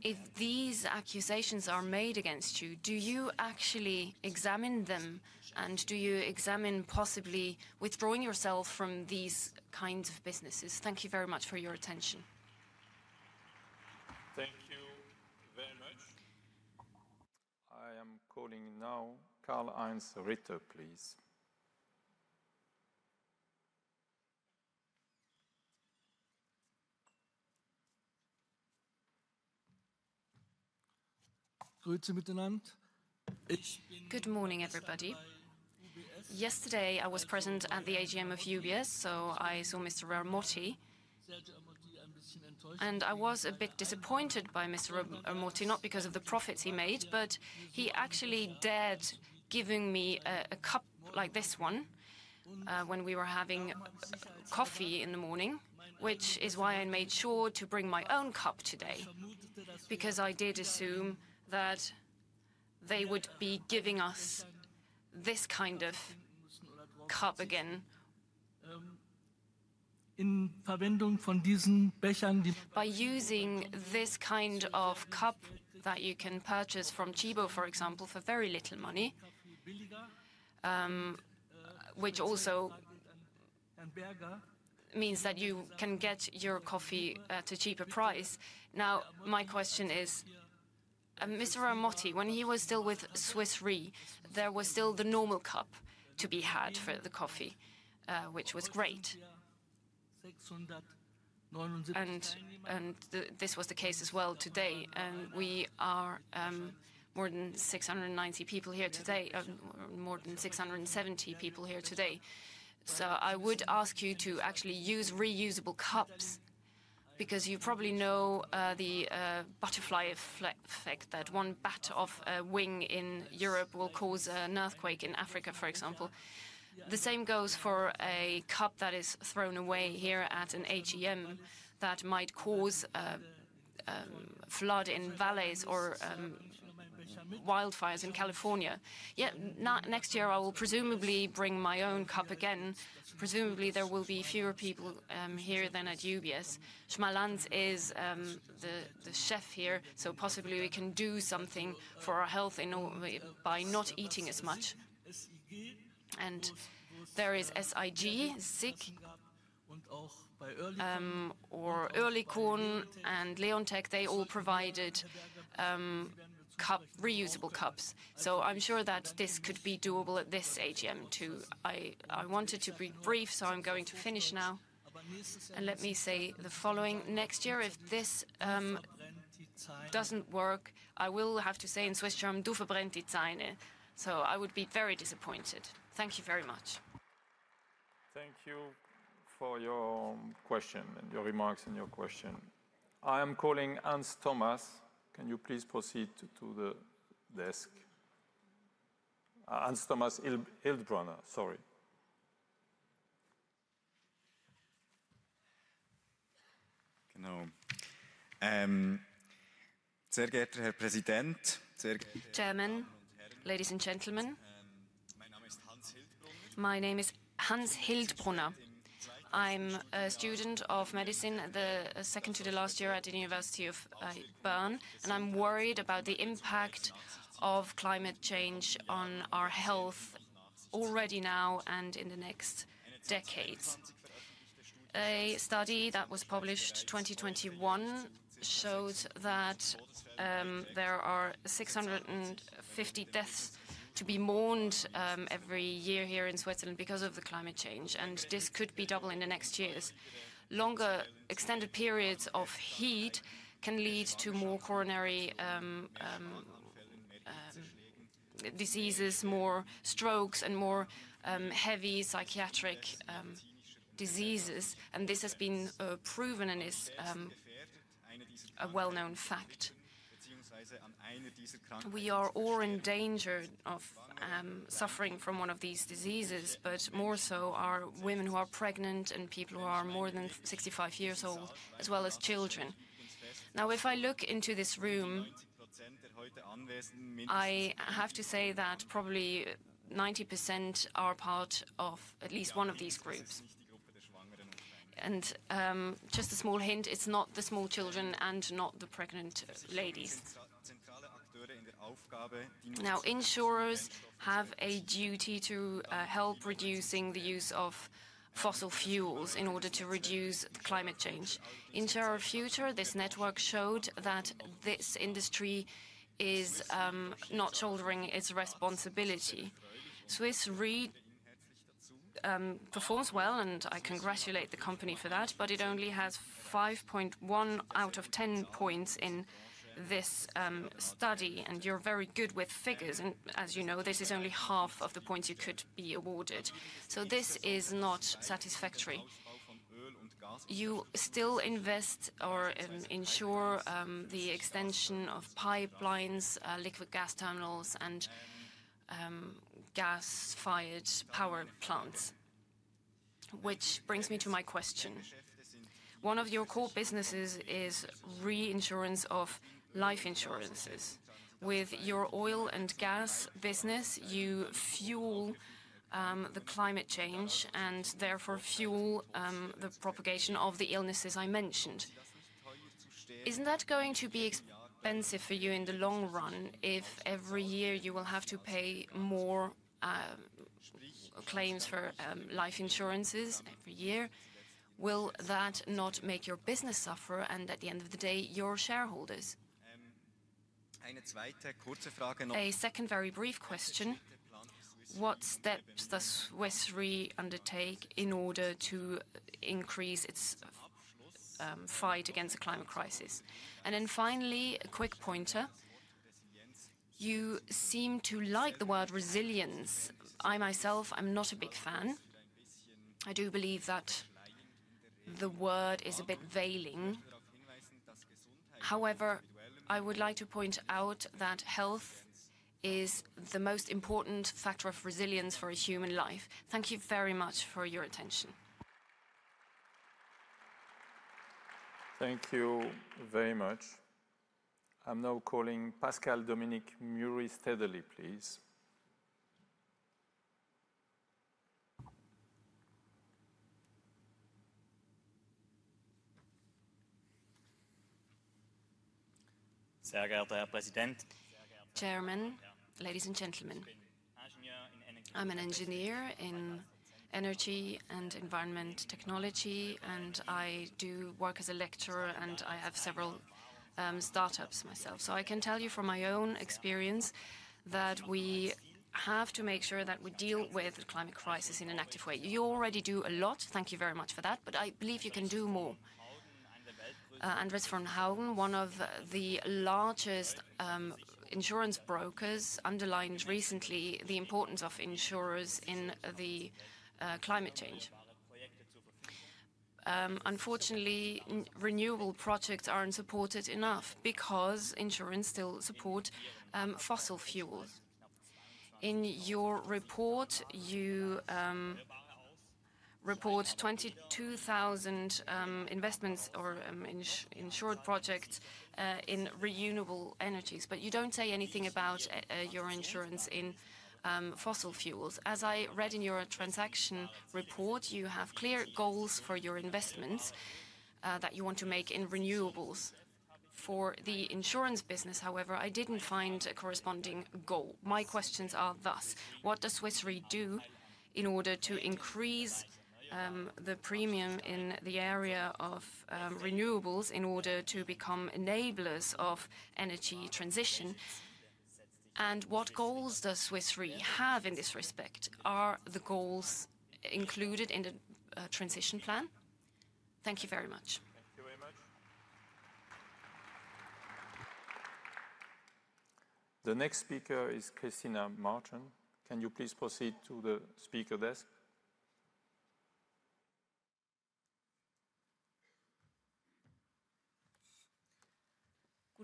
If these accusations are made against you, do you actually examine them, and do you examine possibly withdrawing yourself from these kinds of businesses? Thank you very much for your attention. Thank you very much. I am calling now Karl-Einz Ritter, please. Good morning, everybody. Yesterday, I was present at the AGM of UBS, so I saw Mr. Ermotti, and I was a bit disappointed by Mr. Ramotti, not because of the profits he made, but he actually dared give me a cup like this one when we were having coffee in the morning, which is why I made sure to bring my own cup today, because I did assume that they would be giving us this kind of cup again. By using this kind of cup that you can purchase from Tchibo, for example, for very little money, which also means that you can get your coffee at a cheaper price. Now, my question is, Mr. Ermotti, when he was still with Swiss Re, there was still the normal cup to be had for the coffee, which was great. This was the case as well today. We are more than 690 people here today, more than 670 people here today. I would ask you to actually use reusable cups, because you probably know the butterfly effect, that one bat of a wing in Europe will cause an earthquake in Africa, for example. The same goes for a cup that is thrown away here at an AGM that might cause flood in valleys or wildfires in California. Yeah, next year, I will presumably bring my own cup again. Presumably, there will be fewer people here than at UBS. Schmalanz is the chef here, so possibly we can do something for our health by not eating as much. There is SIG, SIG, or Earlycom, and Leonteq, they all provided reusable cups. I am sure that this could be doable at this AGM too. I wanted to be brief, so I am going to finish now. Let me say the following: next year, if this doesn't work, I will have to say in Swiss German, "Du verbrennt die Zeine." I would be very disappointed. Thank you very much. Thank you for your question and your remarks and your question. I am calling Hans Thomas. Can you please proceed to the desk? Hans Thomas Hiltbrunner, sorry. Sehr geehrter Herr Präsident, sehr geehrte Damen und Herren. Ladies and gentlemen, my name is Hans Hiltbrunner. I'm a student of medicine the second to the last year at the University of Bern, and I'm worried about the impact of climate change on our health already now and in the next decades. A study that was published in 2021 showed that there are 650 deaths to be mourned every year here in Switzerland because of the climate change, and this could be doubled in the next years. Longer extended periods of heat can lead to more coronary diseases, more strokes, and more heavy psychiatric diseases, and this has been proven and is a well-known fact. We are all in danger of suffering from one of these diseases, but more so are women who are pregnant and people who are more than 65 years old, as well as children. Now, if I look into this room, I have to say that probably 90% are part of at least one of these groups. And just a small hint, it's not the small children and not the pregnant ladies. Now, insurers have a duty to help reduce the use of fossil fuels in order to reduce climate change. Into our future, this network showed that this industry is not shouldering its responsibility. Swiss Re performs well, and I congratulate the company for that, but it only has 5.1 out of 10 points in this study, and you're very good with figures, and as you know, this is only half of the points you could be awarded. This is not satisfactory. You still invest or insure the extension of pipelines, liquid gas terminals, and gas-fired power plants, which brings me to my question. One of your core businesses is reinsurance of life insurances. With your oil and gas business, you fuel the climate change and therefore fuel the propagation of the illnesses I mentioned. Isn't that going to be expensive for you in the long run if every year you will have to pay more claims for life insurances every year? Will that not make your business suffer, and at the end of the day, your shareholders? A second very brief question. What steps does Swiss Re undertake in order to increase its fight against the climate crisis? Finally, a quick pointer. You seem to like the word resilience. I myself, I'm not a big fan. I do believe that the word is a bit veiling. However, I would like to point out that health is the most important factor of resilience for a human life. Thank you very much for your attention. Thank you very much. I'm now calling Pascal Dominique Muriens-Tederle, please. Sehr geehrter Herr Präsident. Chairman, ladies and gentlemen, I'm an engineer in energy and environment technology, and I do work as a lecturer, and I have several startups myself. I can tell you from my own experience that we have to make sure that we deal with the climate crisis in an active way. You already do a lot. Thank you very much for that, but I believe you can do more. Andreas von Hagen, one of the largest insurance brokers, underlined recently the importance of insurers in the climate change. Unfortunately, renewable projects aren't supported enough because insurers still support fossil fuels. In your report, you report 22,000 investments or insured projects in renewable energies, but you don't say anything about your insurance in fossil fuels. As I read in your transaction report, you have clear goals for your investments that you want to make in renewables. For the insurance business, however, I didn't find a corresponding goal. My questions are thus: What does Swiss Re do in order to increase the premium in the area of renewables in order to become enablers of energy transition? And what goals does Swiss Re have in this respect? Are the goals included in the transition plan? Thank you very much. The next speaker is Christina Marchand. Can you please proceed to the speaker desk?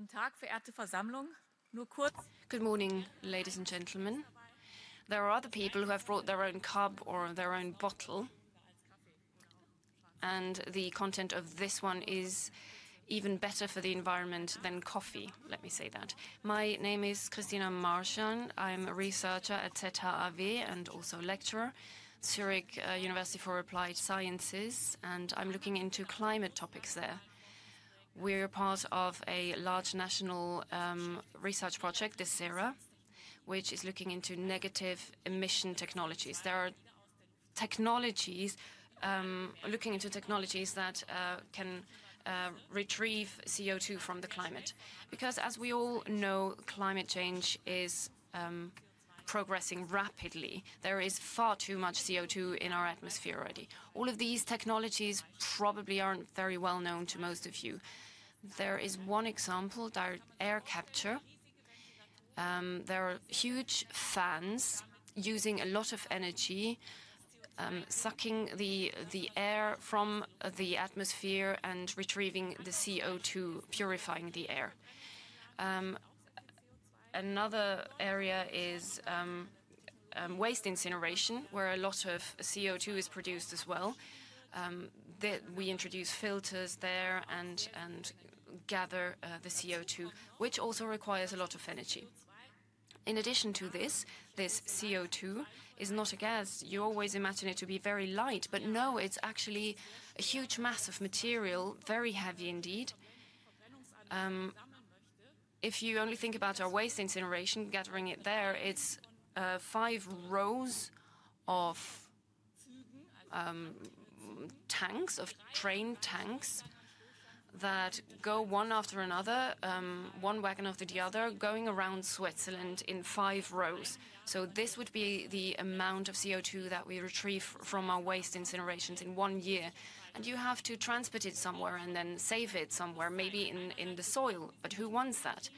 Guten Tag, verehrte Versammlung. Nur kurz. Good morning, ladies and gentlemen. There are other people who have brought their own cup or their own bottle, and the content of this one is even better for the environment than coffee. Let me say that. My name is Christina Marchand. I'm a researcher at ZHAW and also a lecturer at Zurich University for Applied Sciences, and I'm looking into climate topics there. We're part of a large national research project this era, which is looking into negative emission technologies. There are technologies looking into technologies that can retrieve CO2 from the climate. Because, as we all know, climate change is progressing rapidly. There is far too much CO2 in our atmosphere already. All of these technologies probably aren't very well known to most of you. There is one example: direct air capture. There are huge fans using a lot of energy, sucking the air from the atmosphere and retrieving the CO2, purifying the air. Another area is waste incineration, where a lot of CO2 is produced as well. We introduce filters there and gather the CO2, which also requires a lot of energy. In addition to this, this CO2 is not a gas. You always imagine it to be very light, but no, it's actually a huge mass of material, very heavy indeed. If you only think about our waste incineration, gathering it there, it's five rows of tanks, of train tanks, that go one after another, one wagon after the other, going around Switzerland in five rows. This would be the amount of CO2 that we retrieve from our waste incinerations in one year. You have to transport it somewhere and then save it somewhere, maybe in the soil, but who wants that?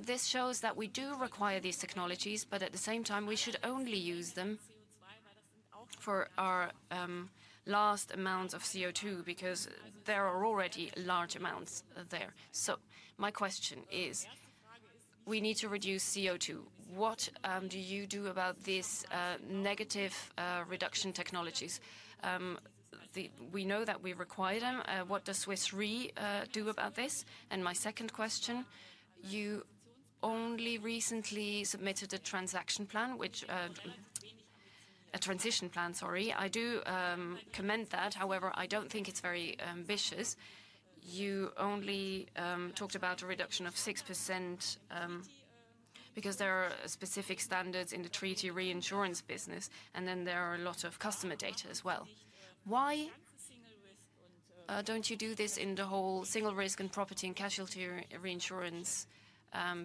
This shows that we do require these technologies, but at the same time, we should only use them for our last amount of CO2, because there are already large amounts there. My question is: We need to reduce CO2. What do you do about these negative reduction technologies? We know that we require them. What does Swiss Re do about this? My second question: You only recently submitted a transition plan, sorry. I do comment that; however, I don't think it's very ambitious. You only talked about a reduction of 6% because there are specific standards in the treaty reinsurance business, and then there are a lot of customer data as well. Why don't you do this in the whole single risk and property and casualty reinsurance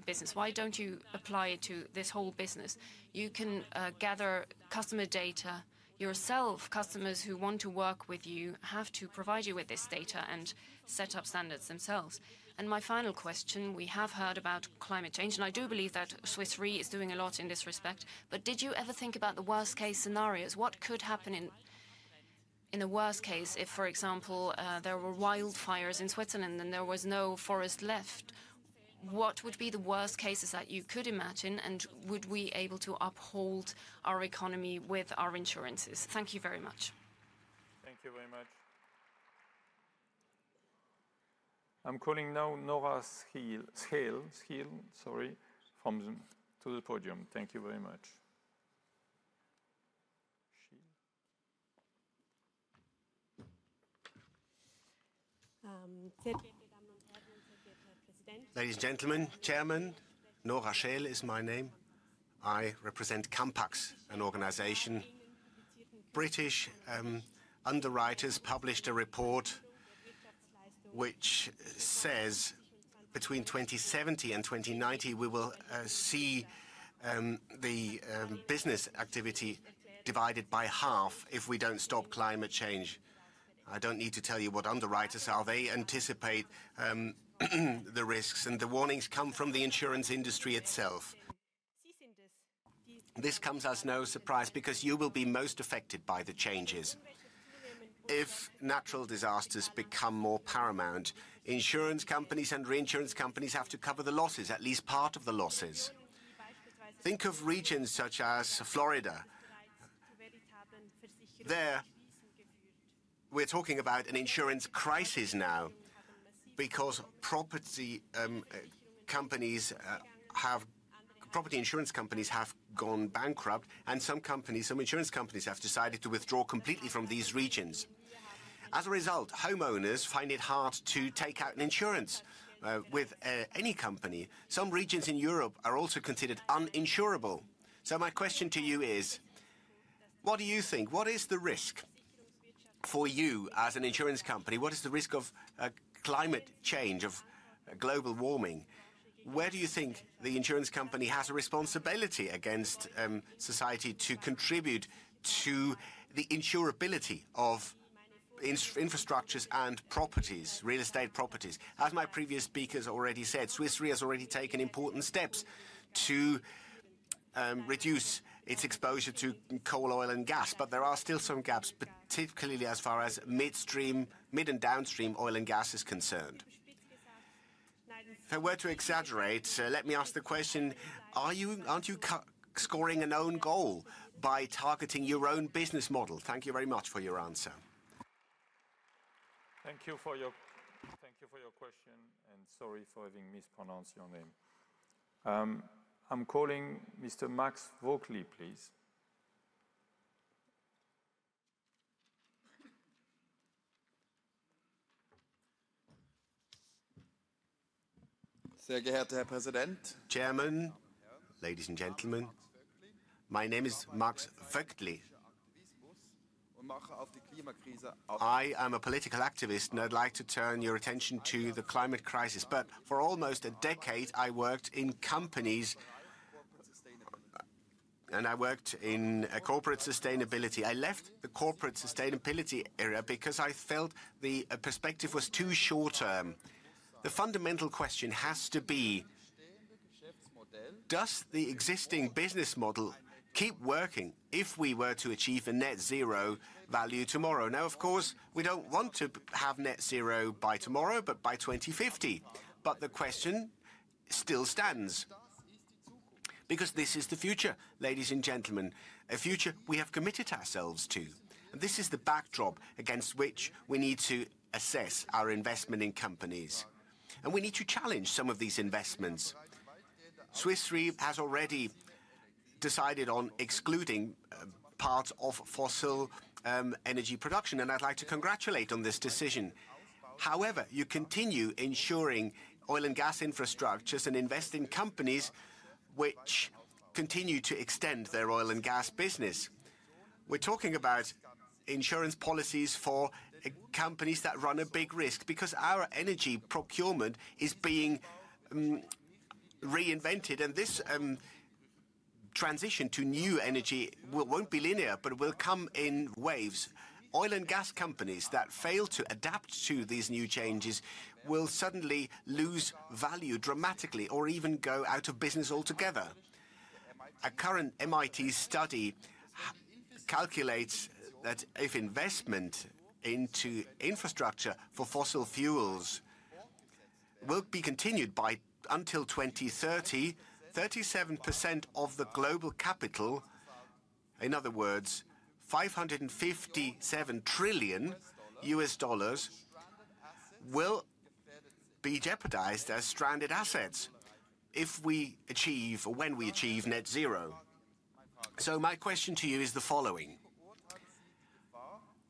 business? Why don't you apply it to this whole business? You can gather customer data yourself. Customers who want to work with you have to provide you with this data and set up standards themselves. My final question: We have heard about climate change, and I do believe that Swiss Re is doing a lot in this respect, but did you ever think about the worst-case scenarios? What could happen in the worst case if, for example, there were wildfires in Switzerland and there was no forest left? What would be the worst cases that you could imagine, and would we be able to uphold our economy with our insurances? Thank you very much. Thank you very much. I'm calling now Norah Scheel, sorry, from the podium. Thank you very much. Ladies and gentlemen, Chairman, Norah Scheel is my name. I represent Campax, an organization. British underwriters published a report which says between 2070 and 2090 we will see the business activity divided by half if we do not stop climate change. I do not need to tell you what underwriters are; they anticipate the risks, and the warnings come from the insurance industry itself. This comes as no surprise because you will be most affected by the changes. If natural disasters become more paramount, insurance companies and reinsurance companies have to cover the losses, at least part of the losses. Think of regions such as Florida. We are talking about an insurance crisis now because property insurance companies have gone bankrupt, and some insurance companies have decided to withdraw completely from these regions. As a result, homeowners find it hard to take out insurance with any company. Some regions in Europe are also considered uninsurable. My question to you is: What do you think? What is the risk for you as an insurance company? What is the risk of climate change, of global warming? Where do you think the insurance company has a responsibility against society to contribute to the insurability of infrastructures and properties, real estate properties? As my previous speakers already said, Swiss Re has already taken important steps to reduce its exposure to coal, oil, and gas, but there are still some gaps, particularly as far as midstream, mid and downstream oil and gas is concerned. If I were to exaggerate, let me ask the question: Aren't you scoring an own goal by targeting your own business model? Thank you very much for your answer. Thank you for your question, and sorry for having mispronounced your name. I'm calling Mr. Max Voegtli, please. Sehr geehrter Herr Präsident. Chairman, ladies and gentlemen, my name is Max Voegtli. I am a political activist, and I'd like to turn your attention to the climate crisis. For almost a decade, I worked in companies, and I worked in corporate sustainability. I left the corporate sustainability area because I felt the perspective was too short term. The fundamental question has to be: Does the existing business model keep working if we were to achieve a net zero value tomorrow? Of course, we don't want to have net zero by tomorrow, but by 2050. The question still stands, because this is the future, ladies and gentlemen, a future we have committed ourselves to. This is the backdrop against which we need to assess our investment in companies, and we need to challenge some of these investments. Swiss Re has already decided on excluding part of fossil energy production, and I'd like to congratulate on this decision. However, you continue insuring oil and gas infrastructures and invest in companies which continue to extend their oil and gas business. We're talking about insurance policies for companies that run a big risk, because our energy procurement is being reinvented, and this transition to new energy won't be linear, but it will come in waves. Oil and gas companies that fail to adapt to these new changes will suddenly lose value dramatically or even go out of business altogether. A current MIT study calculates that if investment into infrastructure for fossil fuels will be continued by until 2030, 37% of the global capital, in other words, $557 trillion, will be jeopardized as stranded assets if we achieve, or when we achieve, net zero. My question to you is the following: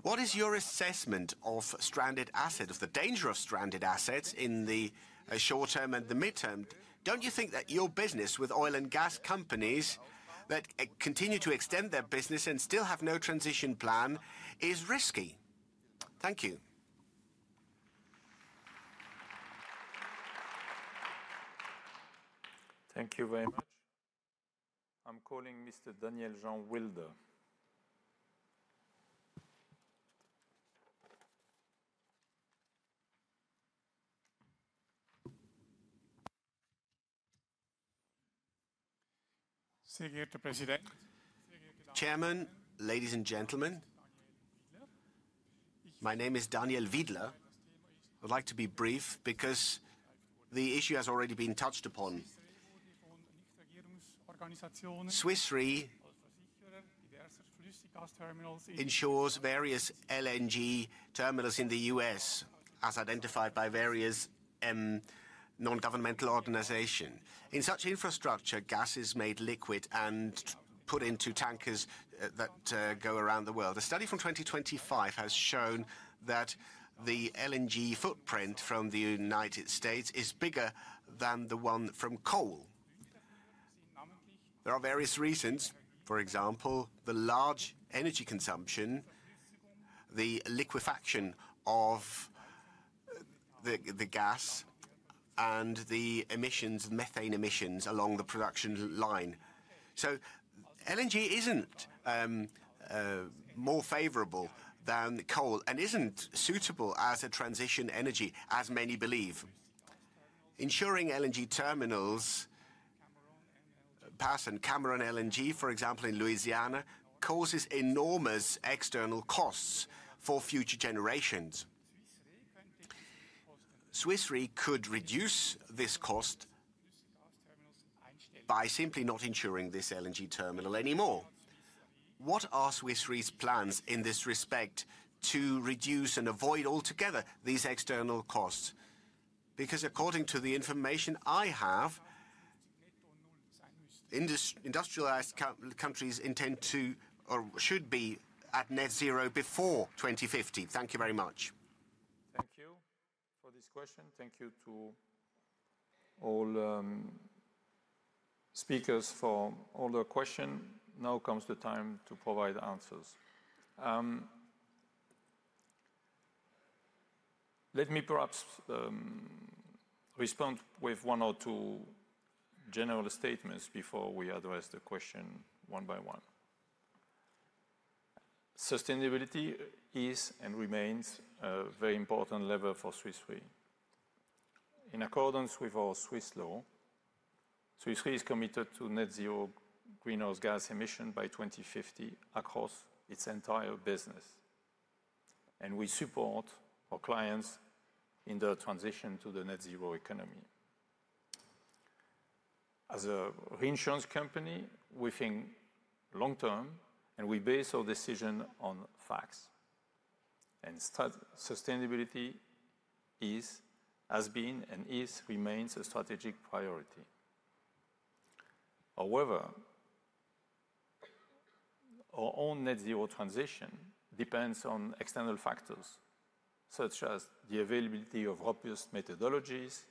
What is your assessment of stranded assets, of the danger of stranded assets in the short term and the midterm? Do not you think that your business with oil and gas companies that continue to extend their business and still have no transition plan is risky? Thank you. Thank you very much. I am calling Mr. Daniel Jean Wilder. Sehr geehrter Präsident. Chairman, ladies and gentlemen, my name is Daniel Wiedler. I would like to be brief, because the issue has already been touched upon. Swiss Re insures various LNG terminals in the U.S., as identified by various non-governmental organizations. In such infrastructure, gas is made liquid and put into tankers that go around the world. A study from 2025 has shown that the LNG footprint from the United States is bigger than the one from coal. There are various reasons, for example, the large energy consumption, the liquefaction of the gas, and the emissions, methane emissions along the production line. LNG isn't more favorable than coal and isn't suitable as a transition energy, as many believe. Ensuring LNG terminals pass, and Cameron LNG, for example, in Louisiana, causes enormous external costs for future generations. Swiss Re could reduce this cost by simply not insuring this LNG terminal anymore. What are Swiss Re's plans in this respect to reduce and avoid altogether these external costs? Because, according to the information I have, industrialized countries intend to, or should be, at net zero before 2050. Thank you very much. Thank you for this question. Thank you to all speakers for all their questions. Now comes the time to provide answers. Let me perhaps respond with one or two general statements before we address the question one by one. Sustainability is and remains a very important lever for Swiss Re. In accordance with our Swiss law, Swiss Re is committed to net zero greenhouse gas emissions by 2050 across its entire business, and we support our clients in the transition to the net zero economy. As a reinsurance company, we think long term, and we base our decision on facts, and sustainability is, has been, and is, remains a strategic priority. However, our own net zero transition depends on external factors, such as the availability of robust methodologies,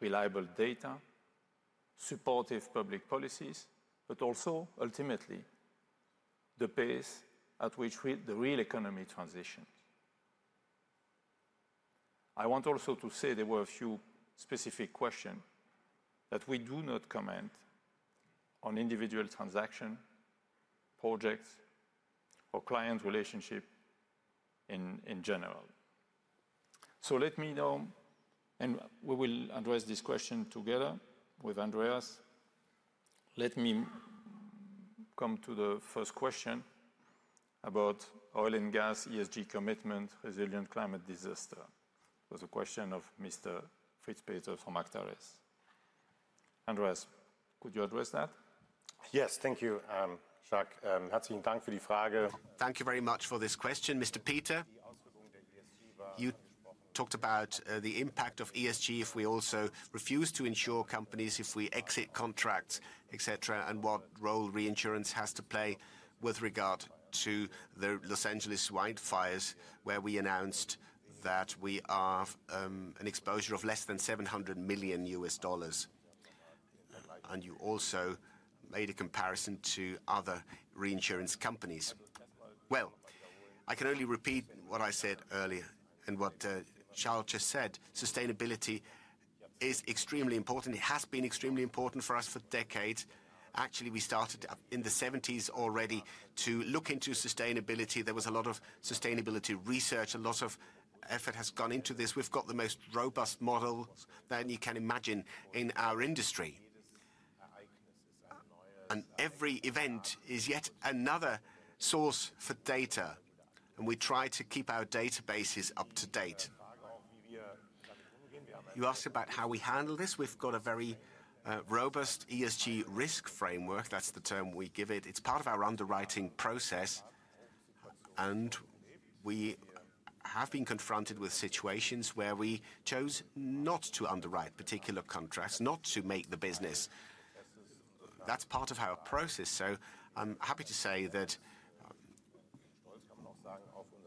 reliable data, supportive public policies, but also, ultimately, the pace at which the real economy transitions. I want also to say there were a few specific questions that we do not comment on individual transactions, projects, or client relationships in general. Let me know, and we will address this question together with Andreas. Let me come to the first question about oil and gas ESG commitment, resilient climate disaster. It was a question of Mr. Fritz Peter from Actares. Andreas, could you address that? Yes, thank you, Jacques. Herzlichen Dank für die Frage. Thank you very much for this question, Mr. Peter. You talked about the impact of ESG if we also refuse to insure companies, if we exit contracts, etc., and what role reinsurance has to play with regard to the Los Angeles wildfires, where we announced that we are an exposure of less than $700 million. You also made a comparison to other reinsurance companies. I can only repeat what I said earlier and what Charles just said. Sustainability is extremely important. It has been extremely important for us for decades. Actually, we started in the 1970s already to look into sustainability. There was a lot of sustainability research. A lot of effort has gone into this. We've got the most robust model that you can imagine in our industry. Every event is yet another source for data, and we try to keep our databases up to date. You asked about how we handle this. We've got a very robust ESG risk framework. That's the term we give it. It's part of our underwriting process, and we have been confronted with situations where we chose not to underwrite particular contracts, not to make the business. That's part of our process. I'm happy to say that,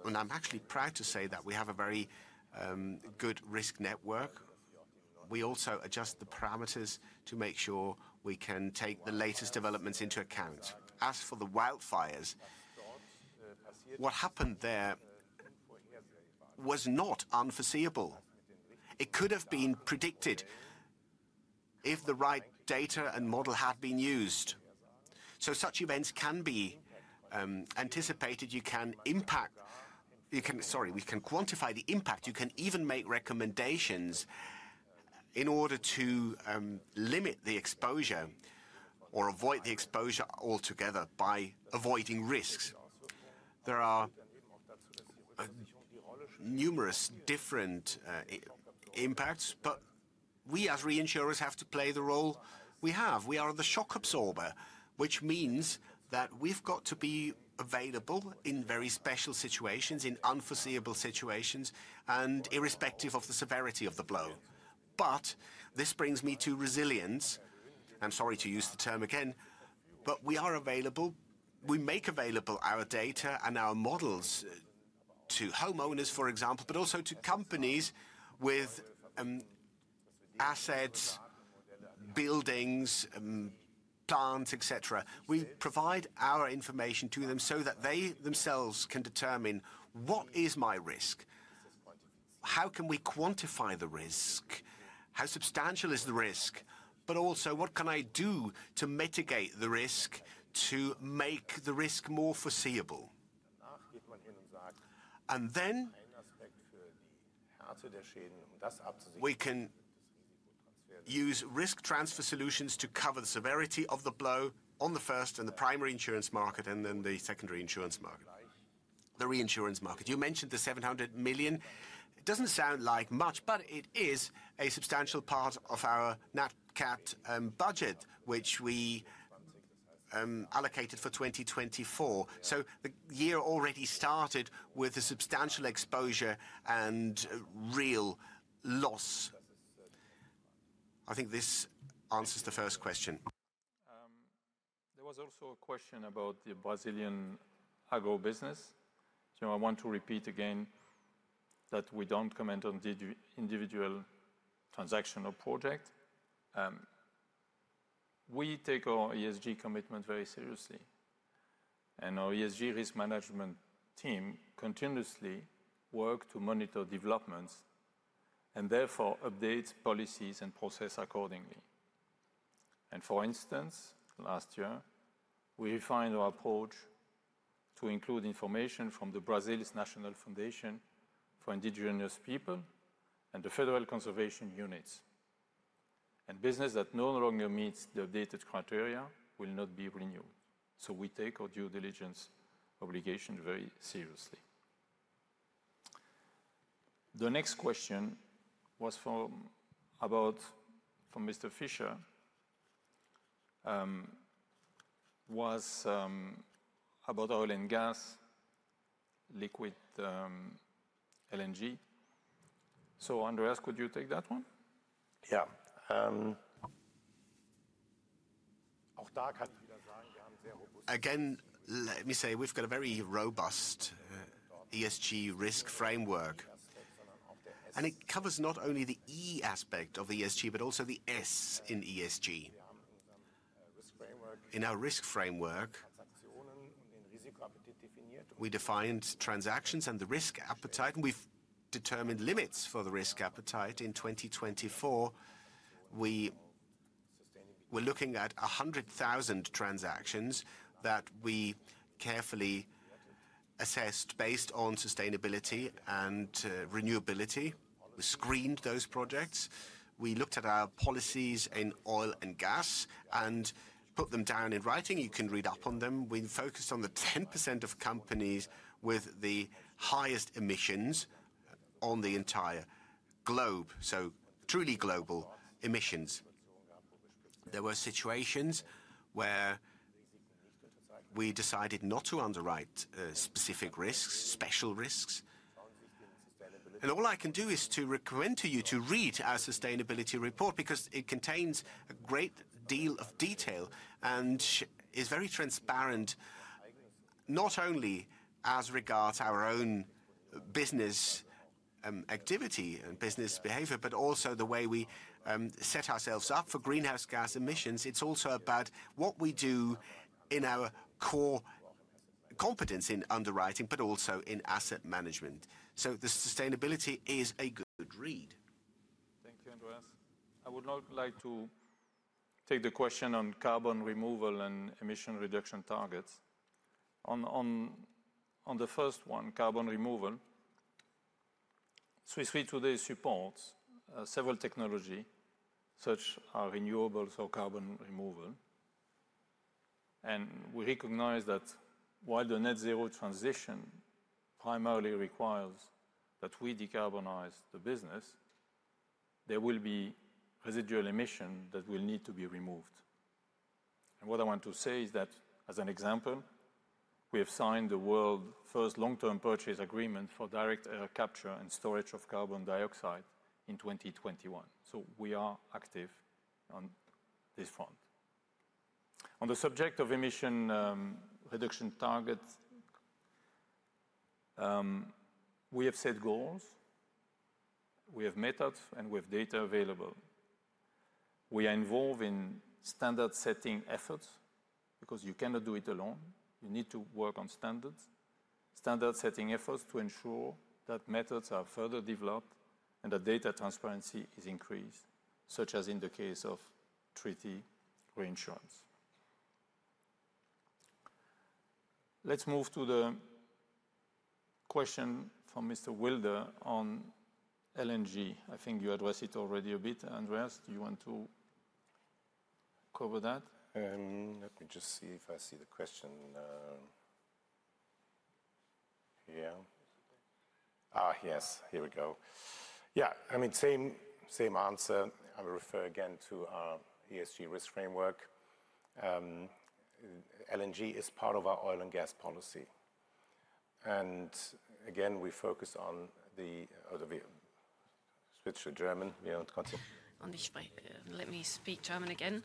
and I'm actually proud to say that we have a very good risk network. We also adjust the parameters to make sure we can take the latest developments into account. As for the wildfires, what happened there was not unforeseeable. It could have been predicted if the right data and model had been used. Such events can be anticipated. You can quantify the impact. You can even make recommendations in order to limit the exposure or avoid the exposure altogether by avoiding risks. There are numerous different impacts, but we, as reinsurers, have to play the role we have. We are the shock absorber, which means that we've got to be available in very special situations, in unforeseeable situations, and irrespective of the severity of the blow. This brings me to resilience. I'm sorry to use the term again, but we are available. We make available our data and our models to homeowners, for example, but also to companies with assets, buildings, plants, etc. We provide our information to them so that they themselves can determine what is my risk, how can we quantify the risk, how substantial is the risk, but also what can I do to mitigate the risk, to make the risk more foreseeable. We can use risk transfer solutions to cover the severity of the blow on the first and the primary insurance market, and then the secondary insurance market, the reinsurance market. You mentioned the $700 million. It does not sound like much, but it is a substantial part of our NatCat budget, which we allocated for 2024. The year already started with a substantial exposure and real loss. I think this answers the first question. There was also a question about the Brazilian agribusiness. I want to repeat again that we do not comment on individual transactional projects. We take our ESG commitment very seriously, and our ESG risk management team continuously works to monitor developments and therefore update policies and processes accordingly. For instance, last year, we refined our approach to include information from Brazil's National Foundation for Indigenous People and the Federal Conservation Units. Business that no longer meets the updated criteria will not be renewed. We take our due diligence obligations very seriously. The next question was from Mr. Fischer, about oil and gas liquid LNG. Andreas, could you take that one? Yeah. Let me say, we've got a very robust ESG risk framework, and it covers not only the E aspect of ESG, but also the S in ESG. In our risk framework, we defined transactions and the risk appetite, and we've determined limits for the risk appetite. In 2024, we were looking at 100,000 transactions that we carefully assessed based on sustainability and renewability. We screened those projects. We looked at our policies in oil and gas and put them down in writing. You can read up on them. We focused on the 10% of companies with the highest emissions on the entire globe, so truly global emissions. There were situations where we decided not to underwrite specific risks, special risks. All I can do is to recommend to you to read our sustainability report, because it contains a great deal of detail and is very transparent, not only as regards our own business activity and business behavior, but also the way we set ourselves up for greenhouse gas emissions. It is also about what we do in our core competence in underwriting, but also in asset management. The sustainability is a good read. Thank you, Andreas. I would now like to take the question on carbon removal and emission reduction targets. On the first one, carbon removal, Swiss Re today supports several technologies, such as renewables or carbon removal. We recognize that while the net zero transition primarily requires that we decarbonize the business, there will be residual emissions that will need to be removed. What I want to say is that, as an example, we have signed the world's first long-term purchase agreement for direct air capture and storage of carbon dioxide in 2021. We are active on this front. On the subject of emission reduction targets, we have set goals, we have methods, and we have data available. We are involved in standard-setting efforts, because you cannot do it alone. You need to work on standards, standard-setting efforts to ensure that methods are further developed and that data transparency is increased, such as in the case of treaty reinsurance. Let's move to the question from Mr. Wiedler on LNG. I think you addressed it already a bit, Andreas. Do you want to cover that? Let me just see if I see the question. Yeah. Yes. Here we go. Yeah. I mean, same answer. I'll refer again to our ESG risk framework. LNG is part of our oil and gas policy. Again, we focus on the Swiss or German. Let me speak German again.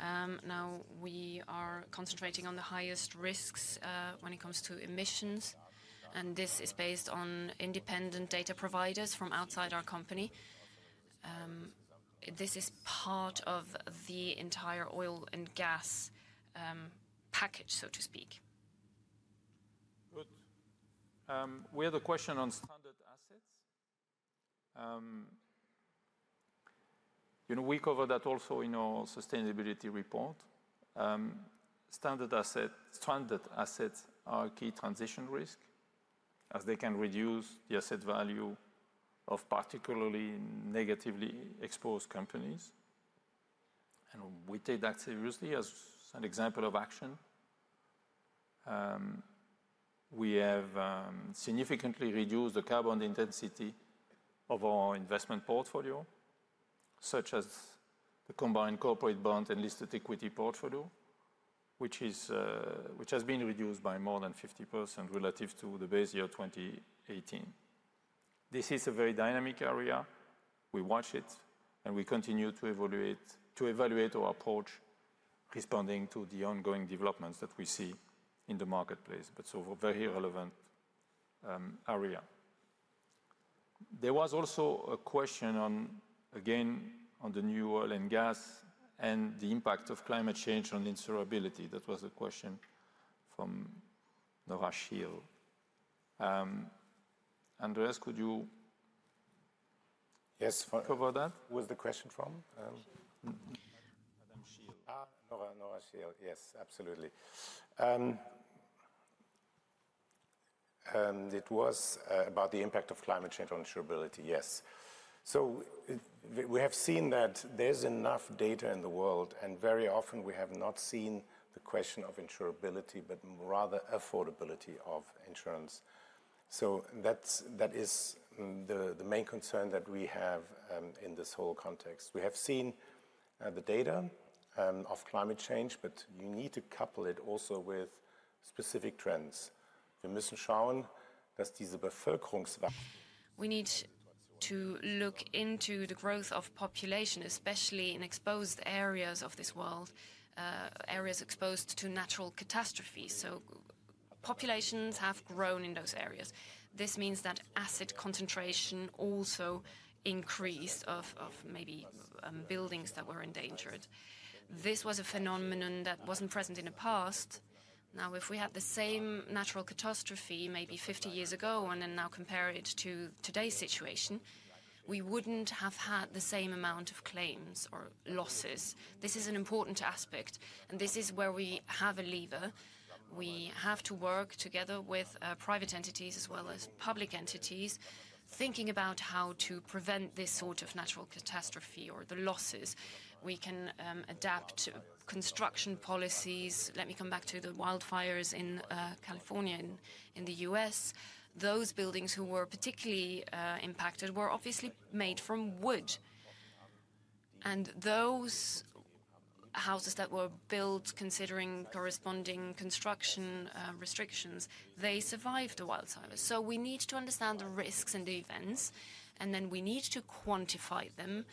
Now, we are concentrating on the highest risks when it comes to emissions, and this is based on independent data providers from outside our company. This is part of the entire oil and gas package, so to speak. Good. We have a question on stranded assets. We cover that also in our sustainability report. Stranded assets are a key transition risk, as they can reduce the asset value of particularly negatively exposed companies. We take that seriously as an example of action. We have significantly reduced the carbon intensity of our investment portfolio, such as the combined corporate bond and listed equity portfolio, which has been reduced by more than 50% relative to the base year 2018. This is a very dynamic area. We watch it, and we continue to evaluate our approach responding to the ongoing developments that we see in the marketplace. It is a very relevant area. There was also a question again on the new oil and gas and the impact of climate change on insurability. That was a question from Norah Scheel. Andreas, could you cover that? Yes. Where is the question from? Nora Scheel. Yes, absolutely. It was about the impact of climate change on insurability. Yes. We have seen that there's enough data in the world, and very often we have not seen the question of insurability, but rather affordability of insurance. That is the main concern that we have in this whole context. We have seen the data of climate change, but you need to couple it also with specific trends. We müssen schauen, dass diese Bevölkerungswachstum. We need to look into the growth of population, especially in exposed areas of this world, areas exposed to natural catastrophes. Populations have grown in those areas. This means that asset concentration also increased of maybe buildings that were endangered. This was a phenomenon that wasn't present in the past. Now, if we had the same natural catastrophe maybe 50 years ago and then now compare it to today's situation, we wouldn't have had the same amount of claims or losses. This is an important aspect, and this is where we have a lever. We have to work together with private entities as well as public entities, thinking about how to prevent this sort of natural catastrophe or the losses. We can adapt construction policies. Let me come back to the wildfires in California in the U.S. Those buildings who were particularly impacted were obviously made from wood. Those houses that were built considering corresponding construction restrictions, they survived the wildfires. We need to understand the risks and the events, and then we need to quantify them,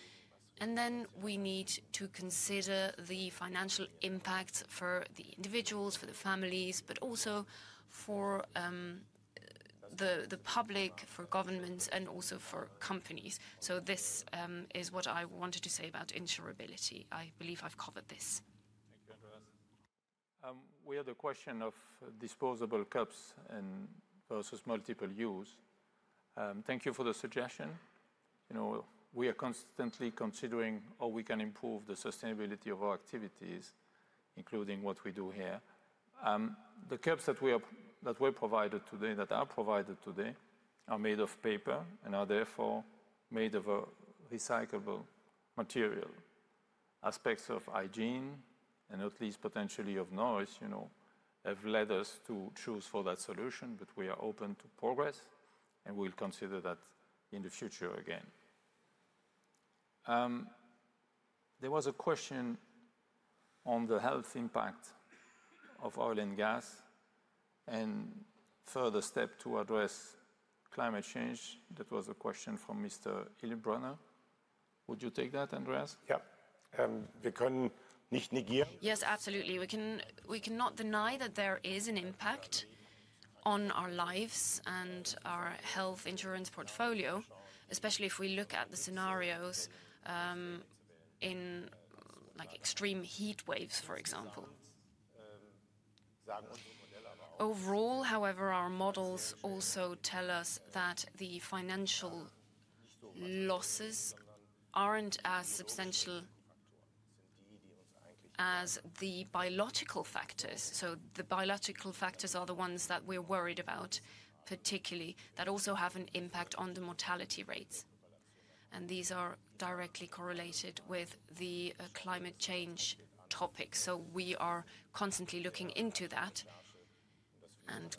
and then we need to consider the financial impact for the individuals, for the families, but also for the public, for governments, and also for companies. This is what I wanted to say about insurability. I believe I have covered this. Thank you, Andreas. We have the question of disposable cups versus multiple use. Thank you for the suggestion. We are constantly considering how we can improve the sustainability of our activities, including what we do here. The cups that were provided today, that are provided today, are made of paper and are therefore made of a recyclable material. Aspects of hygiene and at least potentially of noise have led us to choose for that solution, but we are open to progress, and we will consider that in the future again. There was a question on the health impact of oil and gas and further steps to address climate change. That was a question from Mr. Hiltbrunner Would you take that, Andreas? Yep. Yes, absolutely. We cannot deny that there is an impact on our lives and our health insurance portfolio, especially if we look at the scenarios in extreme heat waves, for example. Overall, however, our models also tell us that the financial losses aren't as substantial as the biological factors. The biological factors are the ones that we're worried about, particularly that also have an impact on the mortality rates, and these are directly correlated with the climate change topic. We are constantly looking into that, and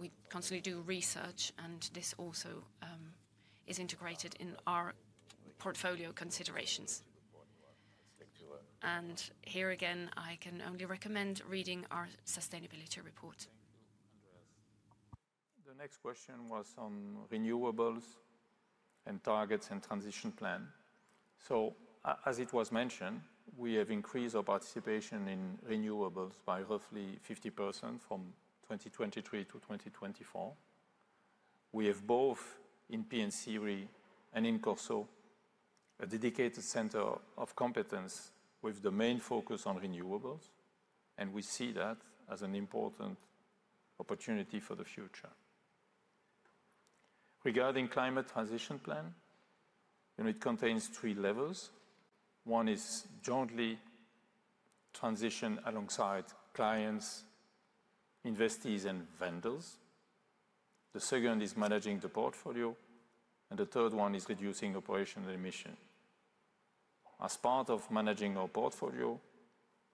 we constantly do research, and this also is integrated in our portfolio considerations. Here again, I can only recommend reading our sustainability report. The next question was on renewables and targets and transition plan. As it was mentioned, we have increased our participation in renewables by roughly 50% from 2023-2024. We have both in P&C and in CorSo a dedicated center of competence with the main focus on renewables, and we see that as an important opportunity for the future. Regarding the climate transition plan, it contains three levels. One is jointly transition alongside clients, investees, and vendors. The second is managing the portfolio, and the third one is reducing operational emissions. As part of managing our portfolio,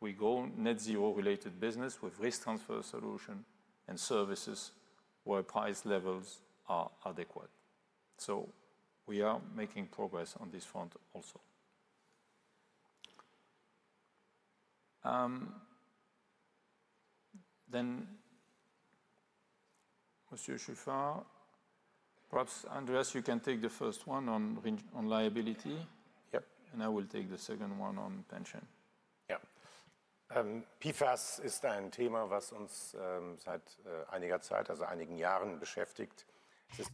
we go net zero-related business with risk transfer solutions and services where price levels are adequate. We are making progress on this front also. Monsieur Schäfer, perhaps Andreas, you can take the first one on liability. Yep. I will take the second one on pension. Yeah. PFAS is then a theme of us that has been on us for some time, also a few years.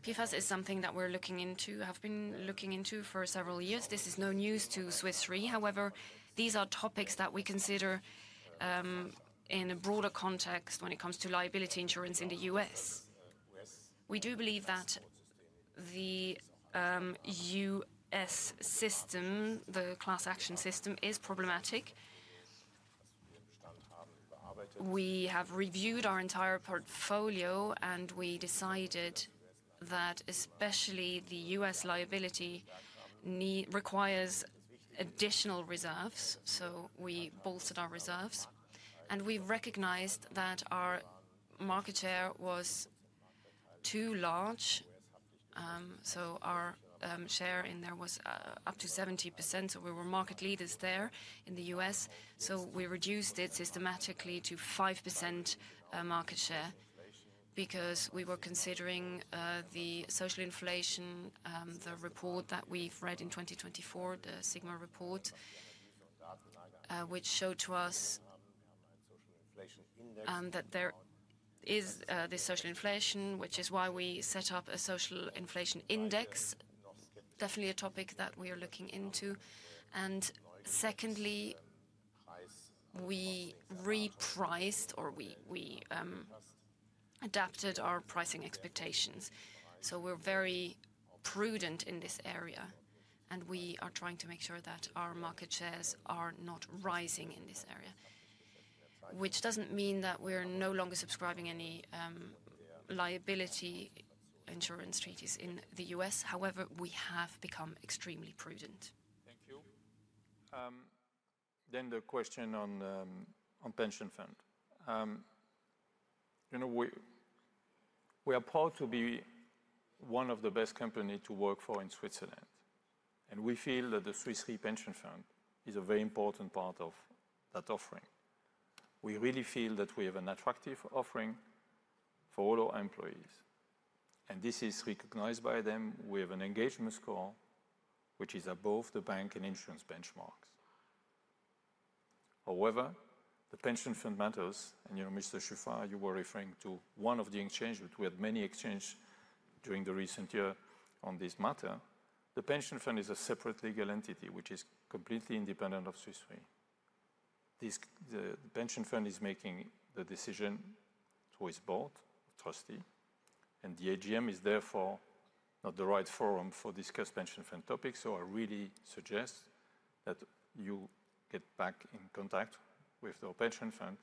PFAS is something that we're looking into, have been looking into for several years. This is no news to Swiss Re. However, these are topics that we consider in a broader context when it comes to liability insurance in the U.S. We do believe that the U.S. system, the class action system, is problematic. We have reviewed our entire portfolio, and we decided that especially the U.S. liability requires additional reserves. We bolstered our reserves, and we recognized that our market share was too large. Our share in there was up to 70%. We were market leaders there in the U.S. We reduced it systematically to 5% market share because we were considering the social inflation, the report that we've read in 2024, the sigma report, which showed to us that there is this social inflation, which is why we set up a social inflation index. Definitely a topic that we are looking into. Secondly, we repriced or we adapted our pricing expectations. We are very prudent in this area, and we are trying to make sure that our market shares are not rising in this area, which doesn't mean that we're no longer subscribing to any liability insurance treaties in the U.S. However, we have become extremely prudent. Thank you. The question on the pension fund. We are proud to be one of the best companies to work for in Switzerland, and we feel that the Swiss Re pension fund is a very important part of that offering. We really feel that we have an attractive offering for all our employees, and this is recognized by them. We have an engagement score, which is above the bank and insurance benchmarks. However, the pension fund matters, and Mr. Schäfer, you were referring to one of the exchanges, but we had many exchanges during the recent year on this matter. The pension fund is a separate legal entity, which is completely independent of Swiss Re. The pension fund is making the decision to its board, trustee, and the AGM is therefore not the right forum for discussing pension fund topics. I really suggest that you get back in contact with the pension fund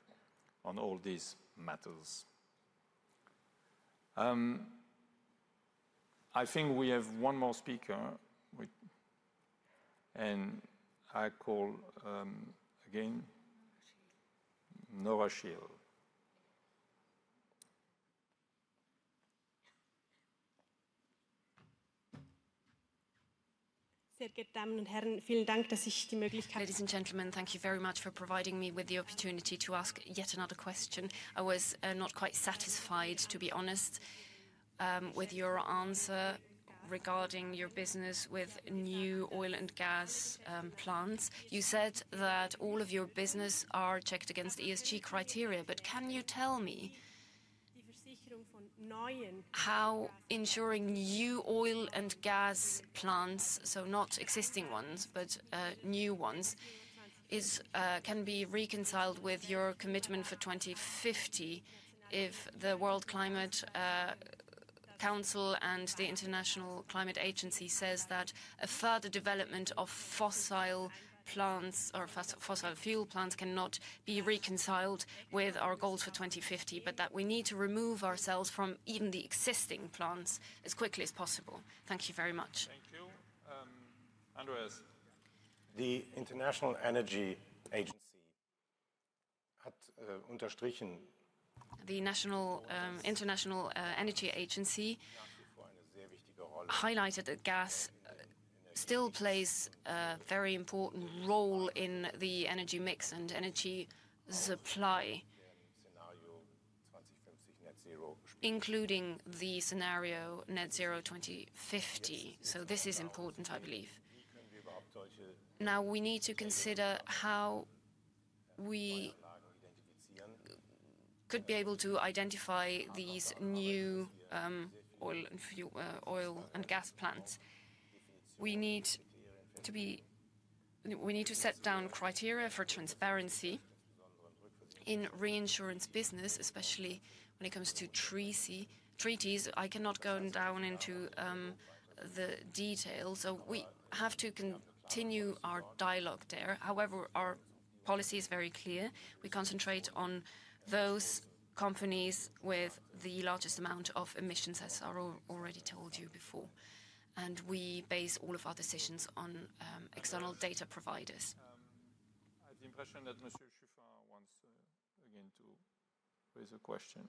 on all these matters. I think we have one more speaker, and I call again Norah Scheel. Sehr geehrte Damen und Herren, vielen Dank, dass ich die Möglichkeit... Ladies and gentlemen, thank you very much for providing me with the opportunity to ask yet another question. I was not quite satisfied, to be honest, with your answer regarding your business with new oil and gas plants. You said that all of your businesses are checked against ESG criteria, but can you tell me how insuring new oil and gas plants, so not existing ones, but new ones, can be reconciled with your commitment for 2050 if the World Climate Council and the International Climate Agency say that a further development of fossil plants or fossil fuel plants cannot be reconciled with our goals for 2050, but that we need to remove ourselves from even the existing plants as quickly as possible. Thank you very much. Thank you. Andreas. The International Energy Agency has highlighted that gas still plays a very important role in the energy mix and energy supply, including the scenario net zero 2050. This is important, I believe. Now, we need to consider how we could be able to identify these new oil and gas plants. We need to set down criteria for transparency in reinsurance business, especially when it comes to treaties. I cannot go down into the details. We have to continue our dialogue there. However, our policy is very clear. We concentrate on those companies with the largest amount of emissions, as I already told you before, and we base all of our decisions on external data providers. I have the impression that Monsieur Schäfer wants again to raise a question.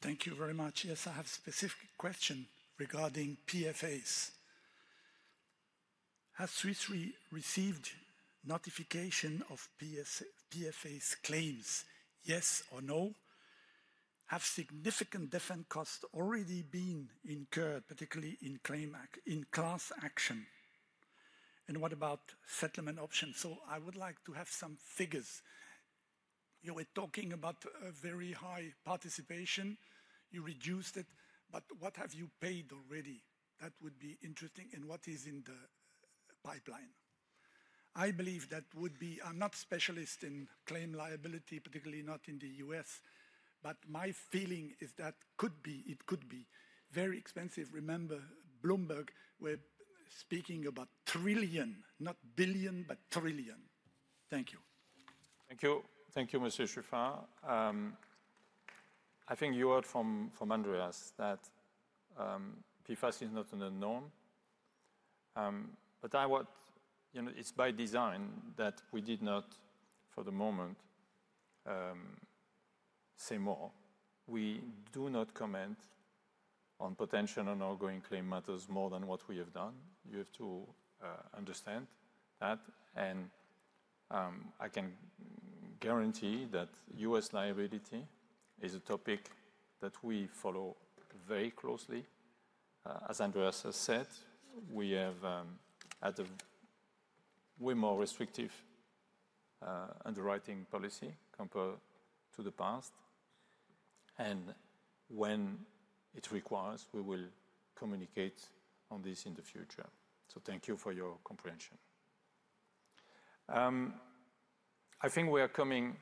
Thank you very much. Yes, I have a specific question regarding PFAS. Has Swiss Re received notification of PFAS claims? Yes or no? Have significant defense costs already been incurred, particularly in class action? What about settlement options? I would like to have some figures. You were talking about a very high participation. You reduced it, but what have you paid already? That would be interesting. What is in the pipeline? I believe that would be—I am not a specialist in claim liability, particularly not in the U.S., but my feeling is that it could be very expensive. Remember, Bloomberg were speaking about trillion, not billion, but trillion. Thank you. Thank you. Thank you, Monsieur Schäfer. I think you heard from Andreas that PFAS is not in the norm, but it is by design that we did not, for the moment, say more. We do not comment on potential or ongoing claim matters more than what we have done. You have to understand that, and I can guarantee that U.S. liability is a topic that we follow very closely. As Andreas has said, we have had a way more restrictive underwriting policy compared to the past, and when it requires, we will communicate on this in the future. Thank you for your comprehension. I think we are coming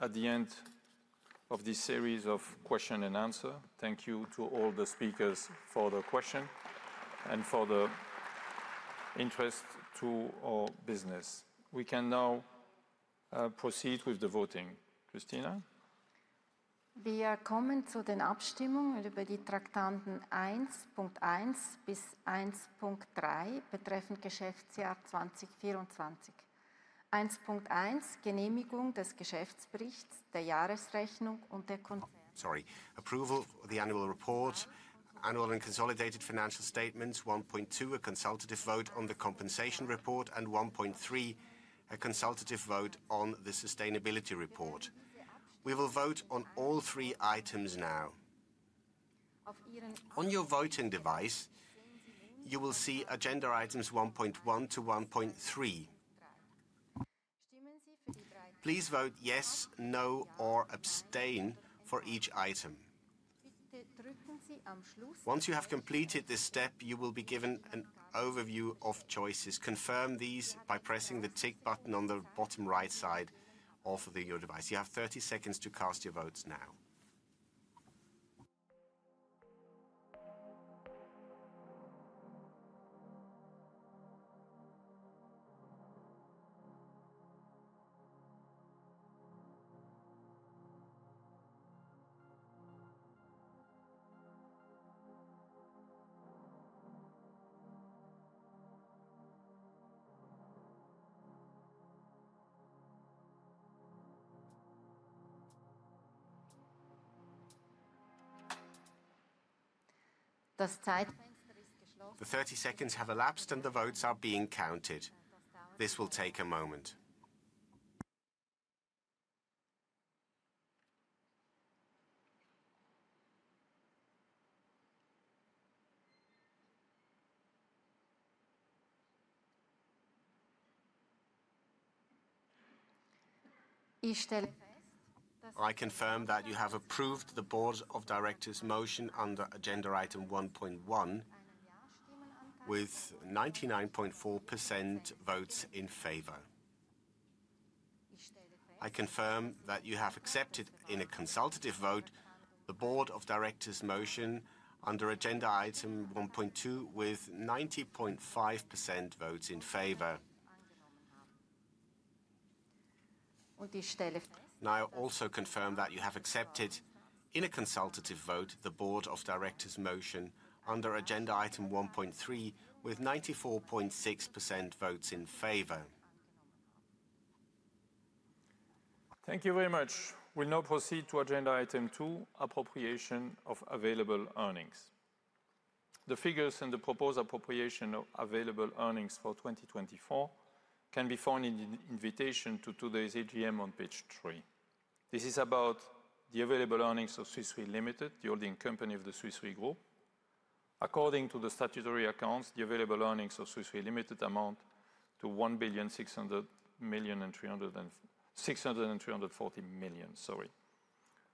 at the end of this series of questions and answers. Thank you to all the speakers for the question and for the interest to our business. We can now proceed with the voting. Cristina? Wir kommen zu den Abstimmungen über die Traktaten 1.1 bis 1.3 betreffend Geschäftsjahr 2024. 1.1 Genehmigung des Geschäftsberichts, der Jahresrechnung und der Konzern... Sorry. Approval of the annual report, annual and consolidated financial statements. 1.2 A consultative vote on the compensation report, and 1.3 A consultative vote on the sustainability report. We will vote on all three items now. On your voting device, you will see agenda items 1.1-1.3. Please vote yes, no, or abstain for each item. Once you have completed this step, you will be given an overview of choices. Confirm these by pressing the tick button on the bottom right side of your device. You have 30 seconds to cast your votes now. Das Zeitfenster ist geschlossen. The 30 seconds have elapsed, and the votes are being counted. This will take a moment. I confirm that you have approved the board of directors' motion under agenda item 1.1 with 99.4% votes in favor. I confirm that you have accepted, in a consultative vote, the board of directors' motion under agenda item 1.2 with 90.5% votes in favor. Now, I also confirm that you have accepted, in a consultative vote, the Board of Directors' motion under agenda item 1.3 with 94.6% votes in favor. Thank you very much. We will now proceed to agenda item 2, appropriation of available earnings. The figures and the proposed appropriation of available earnings for 2024 can be found in the invitation to today's AGM on page 3. This is about the available earnings of Swiss Re Limited, the holding company of the Swiss Re Group. According to the statutory accounts, the available earnings of Swiss Re Limited amount to 1,600,340,000. Sorry.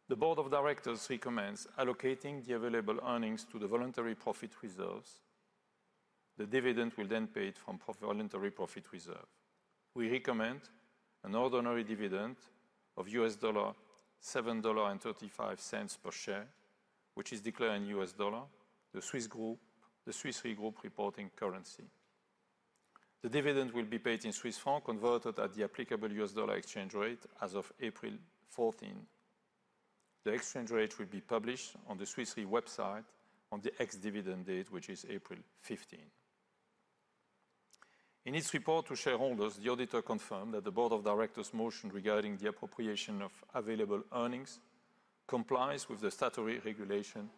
The Board of Directors recommends allocating the available earnings to the voluntary profit reserves. The dividend will then be paid from the voluntary profit reserve. We recommend an ordinary dividend of $7.35 per share, which is declared in U.S. dollar, the Swiss Re Group reporting currency. The dividend will be paid in Swiss franc, converted at the applicable U.S. dollar exchange rate as of April 14. The exchange rate will be published on the Swiss Re website on the ex-dividend date, which is April 15. In its report to shareholders, the auditor confirmed that the Board of Directors' motion regarding the appropriation of available earnings complies with the statutory regulation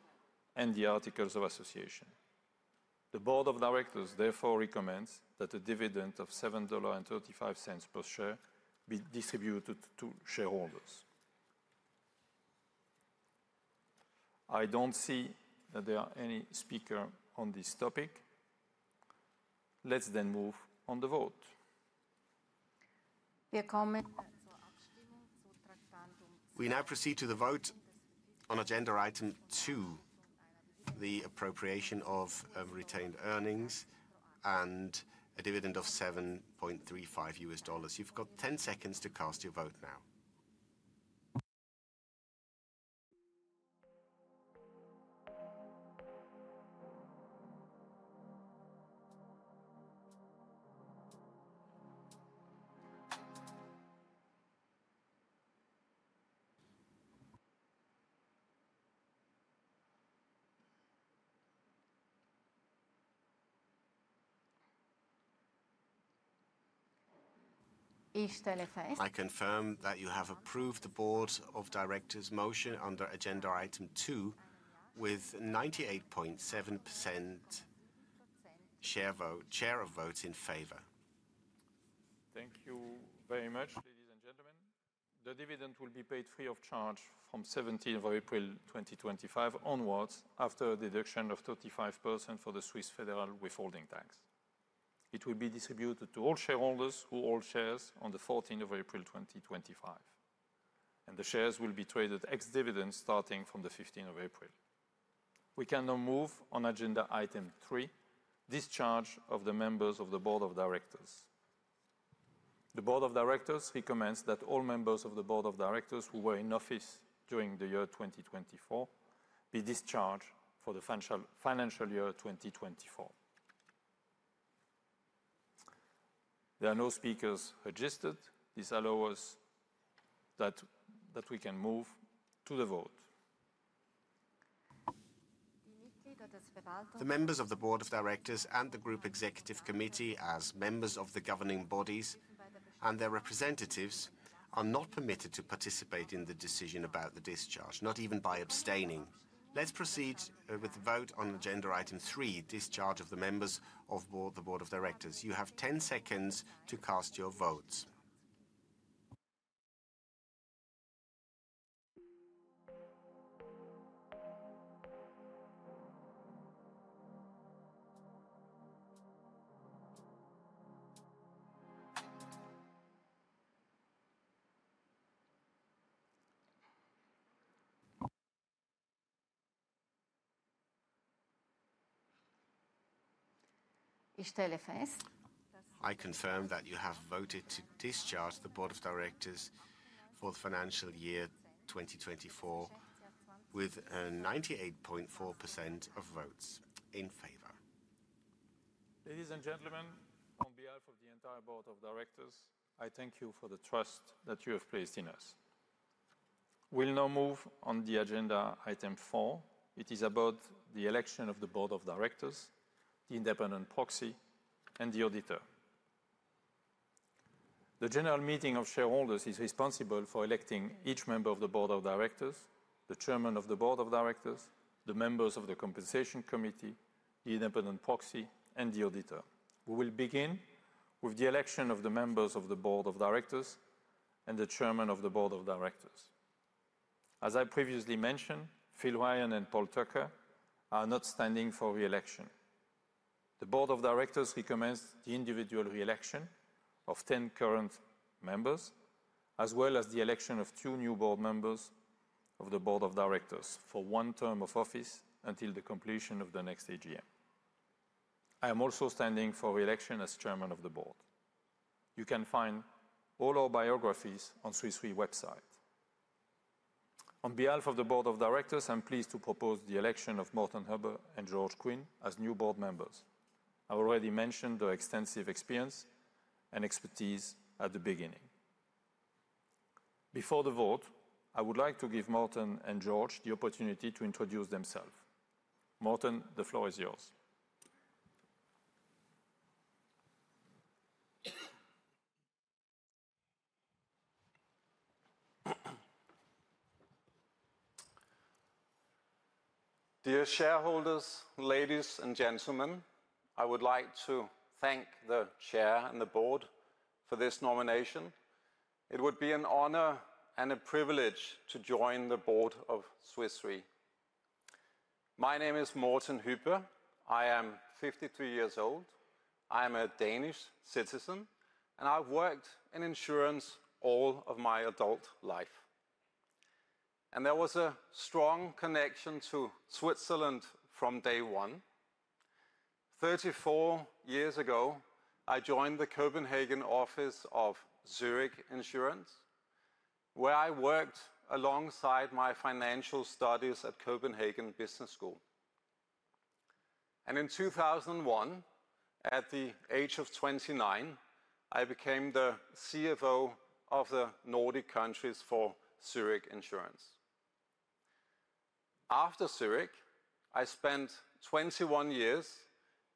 and the Articles of Association. The Board of Directors, therefore, recommends that a dividend of $7.35 per share be distributed to shareholders. I don't see that there are any speakers on this topic. Let's then move on to the vote. Wir kommen zur Abstimmung zu Traktaten. We now proceed to the vote on agenda item 2, the appropriation of retained earnings and a dividend of $7.35. You've got 10 seconds to cast your vote now. Ich stelle fest. I confirm that you have approved the Board of Directors' motion under agenda item 2 with 98.7% share of votes in favor. Thank you very much, ladies and gentlemen. The dividend will be paid free of charge from 17 April 2025 onwards after a deduction of 35% for the Swiss federal withholding tax. It will be distributed to all shareholders who hold shares on 14 April 2025, and the shares will be traded ex-dividend starting from 15 April. We can now move on agenda item 3, discharge of the members of the Board of Directors. The Board of Directors recommends that all members of the Board of Directors who were in office during the year 2024 be discharged for the financial year 2024. There are no speakers registered. This allows us that we can move to the vote. The members of the board of directors and the group executive committee as members of the governing bodies and their representatives are not permitted to participate in the decision about the discharge, not even by abstaining. Let's proceed with the vote on agenda item 3, discharge of the members of the board of directors. You have 10 seconds to cast your votes. Ich stelle fest. I confirm that you have voted to discharge the board of directors for the financial year 2024 with 98.4% of votes in favor. Ladies and gentlemen, on behalf of the entire board of directors, I thank you for the trust that you have placed in us. We'll now move on to agenda item 4. It is about the election of the board of directors, the independent proxy, and the auditor. The general meeting of shareholders is responsible for electing each member of the Board of Directors, the Chairman of the Board of Directors, the members of the Compensation Committee, the independent proxy, and the auditor. We will begin with the election of the members of the Board of Directors and the Chairman of the Board of Directors. As I previously mentioned, Phil Ryan and Paul Tucker are not standing for reelection. The Board of Directors recommends the individual reelection of 10 current members, as well as the election of two new Board members of the Board of Directors for one term of office until the completion of the next AGM. I am also standing for reelection as Chairman of the Board. You can find all our biographies on the Swiss Re website. On behalf of the board of directors, I'm pleased to propose the election of Morten Hübbe and George Quinn as new board members. I already mentioned their extensive experience and expertise at the beginning. Before the vote, I would like to give Morten and George the opportunity to introduce themselves. Morten, the floor is yours. Dear shareholders, ladies and gentlemen, I would like to thank the chair and the board for this nomination. It would be an honor and a privilege to join the board of Swiss Re. My name is Morten Hübbe. I am 53 years old. I am a Danish citizen, and I've worked in insurance all of my adult life. There was a strong connection to Switzerland from day one. Thirty-four years ago, I joined the Copenhagen office of Zurich Insurance, where I worked alongside my financial studies at Copenhagen Business School. In 2001, at the age of 29, I became the CFO of the Nordic countries for Zurich Insurance. After Zurich, I spent 21 years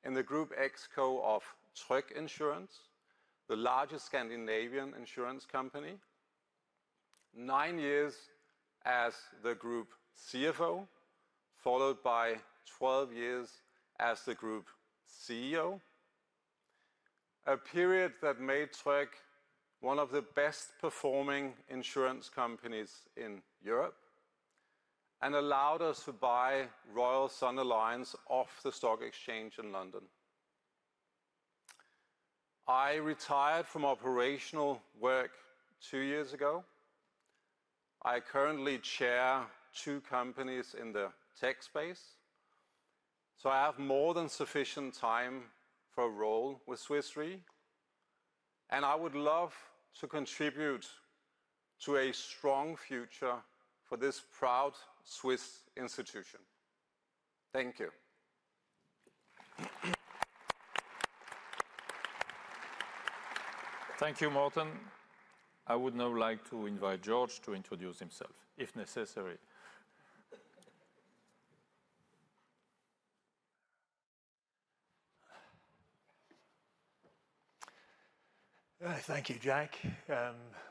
in the Group Exco of Tryg Insurance, the largest Scandinavian insurance company, nine years as the group CFO, followed by 12 years as the group CEO, a period that made Tryg one of the best-performing insurance companies in Europe and allowed us to buy Royal Sun Alliance off the stock exchange in London. I retired from operational work two years ago. I currently chair two companies in the tech space, so I have more than sufficient time for a role with Swiss Re, and I would love to contribute to a strong future for this proud Swiss institution. Thank you. Thank you, Morten. I would now like to invite George to introduce himself if necessary. Thank you, Jacques.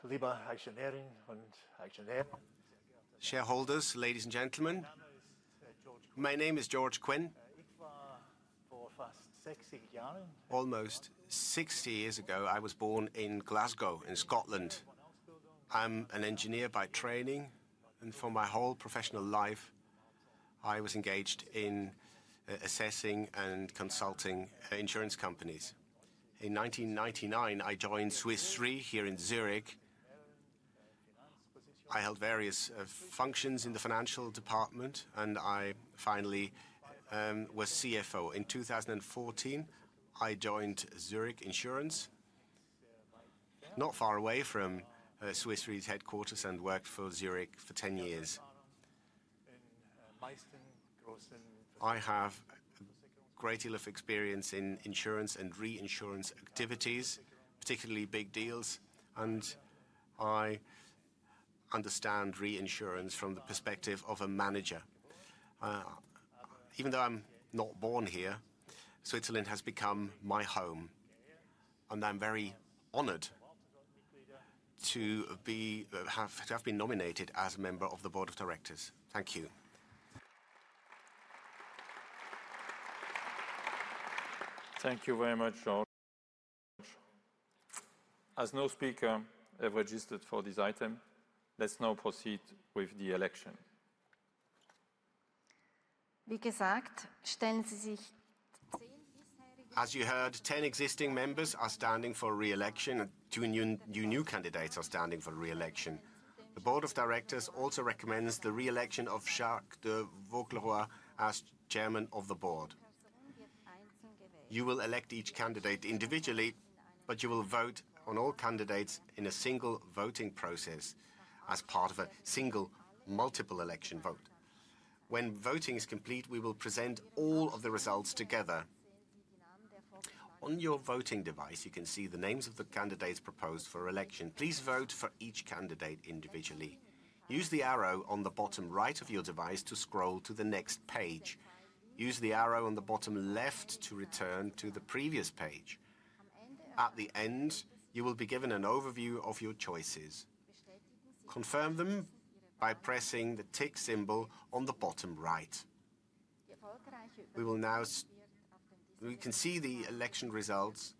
Lieber Aktionärinnen und Aktionäre. Shareholders, ladies and gentlemen. My name is George Quinn. Almost 60 years ago, I was born in Glasgow in Scotland. I'm an engineer by training, and for my whole professional life, I was engaged in assessing and consulting insurance companies. In 1999, I joined Swiss Re here in Zurich. I held various functions in the financial department, and I finally was CFO. In 2014, I joined Zurich Insurance, not far away from Swiss Re's headquarters, and worked for Zurich for 10 years. I have a great deal of experience in insurance and reinsurance activities, particularly big deals, and I understand reinsurance from the perspective of a manager. Even though I'm not born here, Switzerland has become my home, and I'm very honored to have been nominated as a member of the Board of Directors. Thank you. Thank you very much, George. As no speaker ever registered for this item, let's now proceed with the election. Wie gesagt, stellen Sie sich. As you heard, 10 existing members are standing for reelection, and two new candidates are standing for reelection. The Board of Directors also recommends the reelection of Jacques de Vaucleroy as Chairman of the Board. You will elect each candidate individually, but you will vote on all candidates in a single voting process as part of a single multiple election vote. When voting is complete, we will present all of the results together. On your voting device, you can see the names of the candidates proposed for election. Please vote for each candidate individually. Use the arrow on the bottom right of your device to scroll to the next page. Use the arrow on the bottom left to return to the previous page. At the end, you will be given an overview of your choices. Confirm them by pressing the tick symbol on the bottom right. We will now see the election results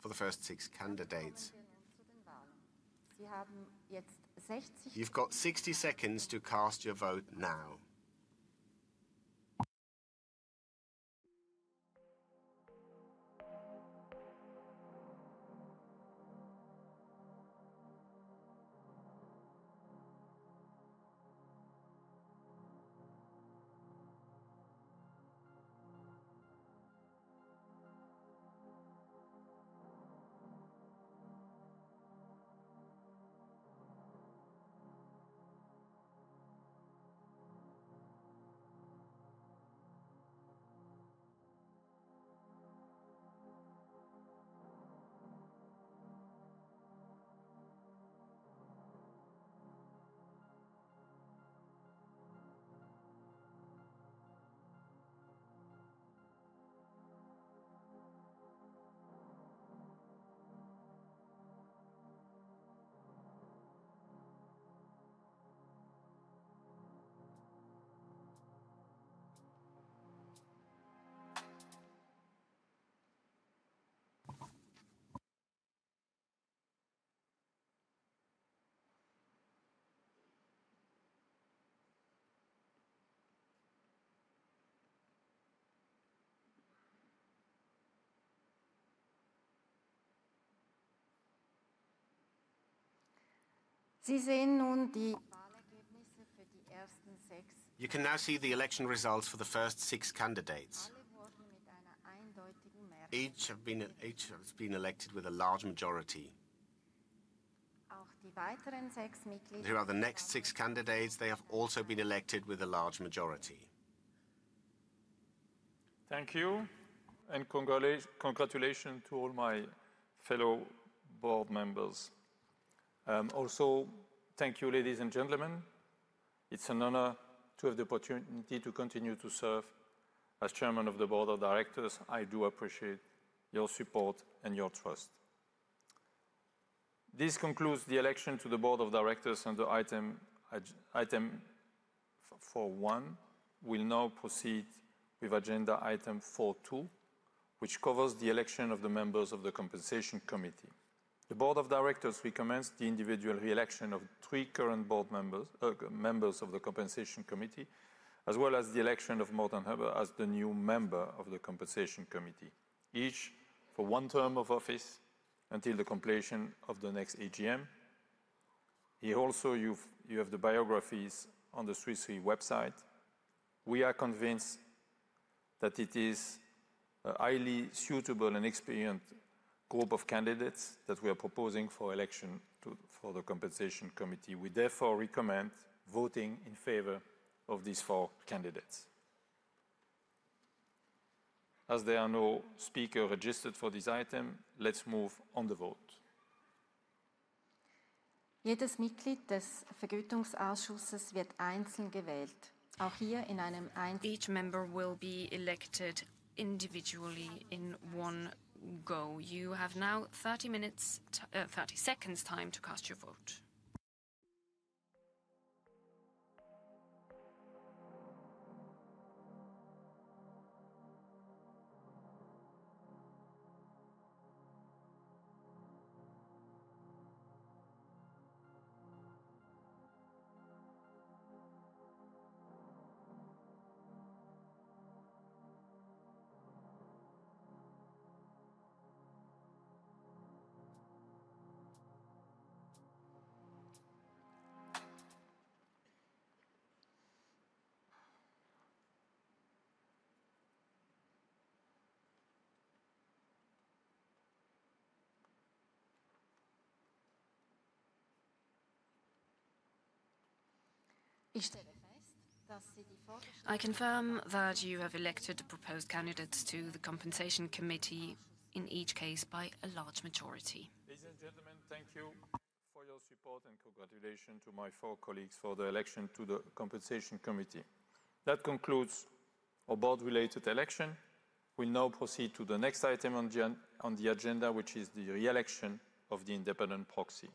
for the first six candidates. You've got 60 seconds to cast your vote now. Sie sehen nun die Wahlergebnisse für die ersten sechs. You can now see the election results for the first six candidates. Each has been elected with a large majority. Auch die weiteren sechs Mitglieder. Who are the next six candidates? They have also been elected with a large majority. Thank you, and congratulations to all my fellow board members. Also, thank you, ladies and gentlemen. It's an honor to have the opportunity to continue to serve as Chairman of the Board of Directors. I do appreciate your support and your trust. This concludes the election to the Board of Directors under item 4.1. We'll now proceed with agenda item 4.2, which covers the election of the members of the compensation committee. The Board of Directors recommends the individual reelection of three current Board members of the compensation committee, as well as the election of Morten Hübbe as the new member of the compensation committee, each for one term of office until the completion of the next AGM. Here also, you have the biographies on the Swiss Re website. We are convinced that it is a highly suitable and experienced group of candidates that we are proposing for election to the compensation committee. We therefore recommend voting in favor of these four candidates. As there are no speakers registered for this item, let's move on to the vote. Jedes Mitglied des Vergütungsausschusses wird einzeln gewählt. Auch hier in einem. Each member will be elected individually in one go. You have now 30 seconds time to cast your vote. Ich stelle fest, dass Sie die vorgestellten.. I confirm that you have elected the proposed candidates to the compensation committee in each case by a large majority. Ladies and gentlemen, thank you for your support and congratulations to my four colleagues for the election to the compensation committee. That concludes our board-related election. We'll now proceed to the next item on the agenda, which is the reelection of the independent proxy.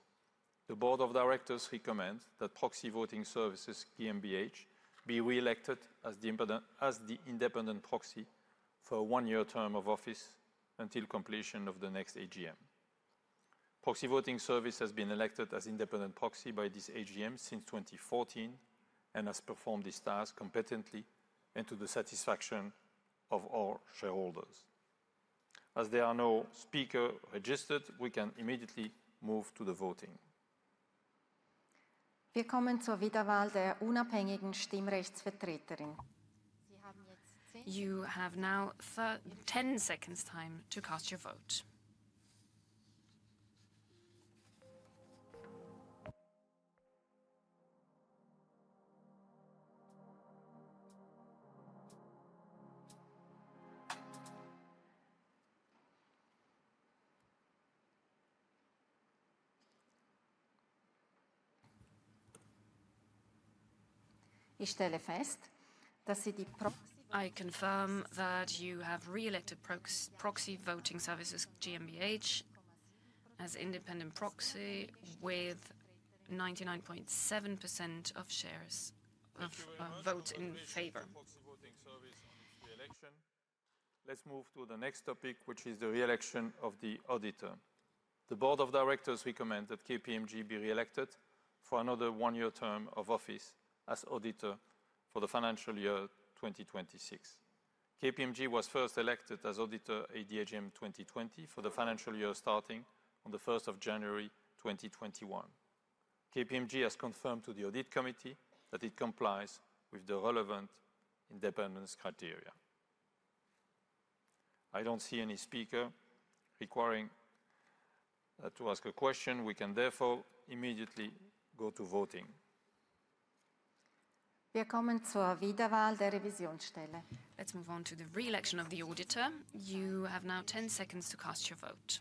The board of directors recommends that Proxy Voting Services GmbH be reelected as the independent proxy for a one-year term of office until completion of the next AGM. Proxy Voting Services has been elected as independent proxy by this AGM since 2014 and has performed this task competently and to the satisfaction of all shareholders. As there are no speakers registered, we can immediately move to the voting. Wir kommen zur Wiederwahl der unabhängigen Stimmrechtsvertreterin. You have now 10 seconds time to cast your vote. Ich stelle fest, dass Sie die... I confirm that you have reelected Proxy Voting Services GmbH as independent proxy with 99.7% of shares of votes in favor. Let's move to the next topic, which is the reelection of the auditor. The Board of Directors recommends that KPMG be reelected for another one-year term of office as auditor for the financial year 2026. KPMG was first elected as auditor at AGM 2020 for the financial year starting on the 1st of January 2021. KPMG has confirmed to the Audit Committee that it complies with the relevant independence criteria. I don't see any speaker requiring to ask a question. We can therefore immediately go to voting. Wir kommen zur Wiederwahl der Revisionsstelle. Let's move on to the reelection of the auditor. You have now 10 seconds to cast your vote.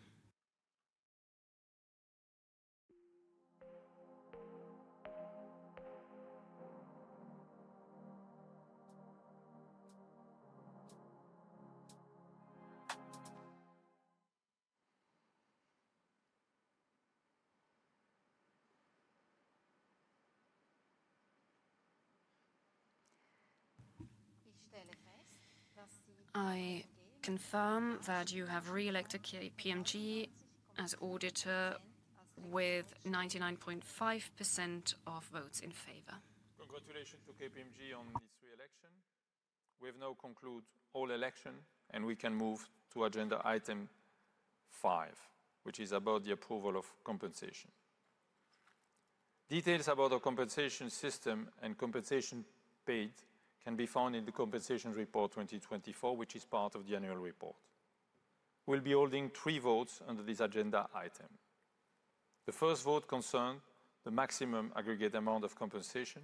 I confirm that you have reelected KPMG as auditor with 99.5% of votes in favor. Congratulations to KPMG on this reelection. We have now concluded all elections, and we can move to agenda item 5, which is about the approval of compensation. Details about the compensation system and compensation paid can be found in the compensation report 2024, which is part of the annual report. We'll be holding three votes under this agenda item. The first vote concerns the maximum aggregate amount of compensation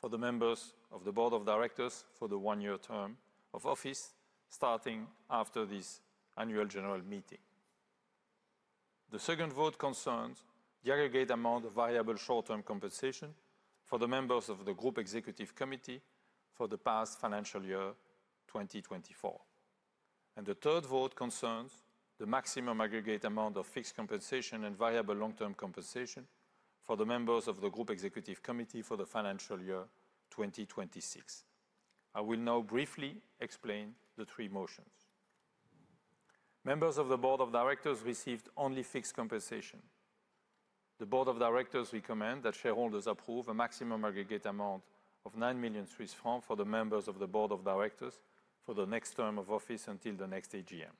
for the members of the Board of Directors for the one-year term of office starting after this Annual General Meeting. The second vote concerns the aggregate amount of variable short-term compensation for the members of the Group Executive Committee for the past financial year 2024. The third vote concerns the maximum aggregate amount of fixed compensation and variable long-term compensation for the members of the Group Executive Committee for the financial year 2026. I will now briefly explain the three motions. Members of the Board of Directors received only fixed compensation. The Board of Directors recommends that shareholders approve a maximum aggregate amount of 9 million Swiss francs for the members of the Board of Directors for the next term of office until the next AGM.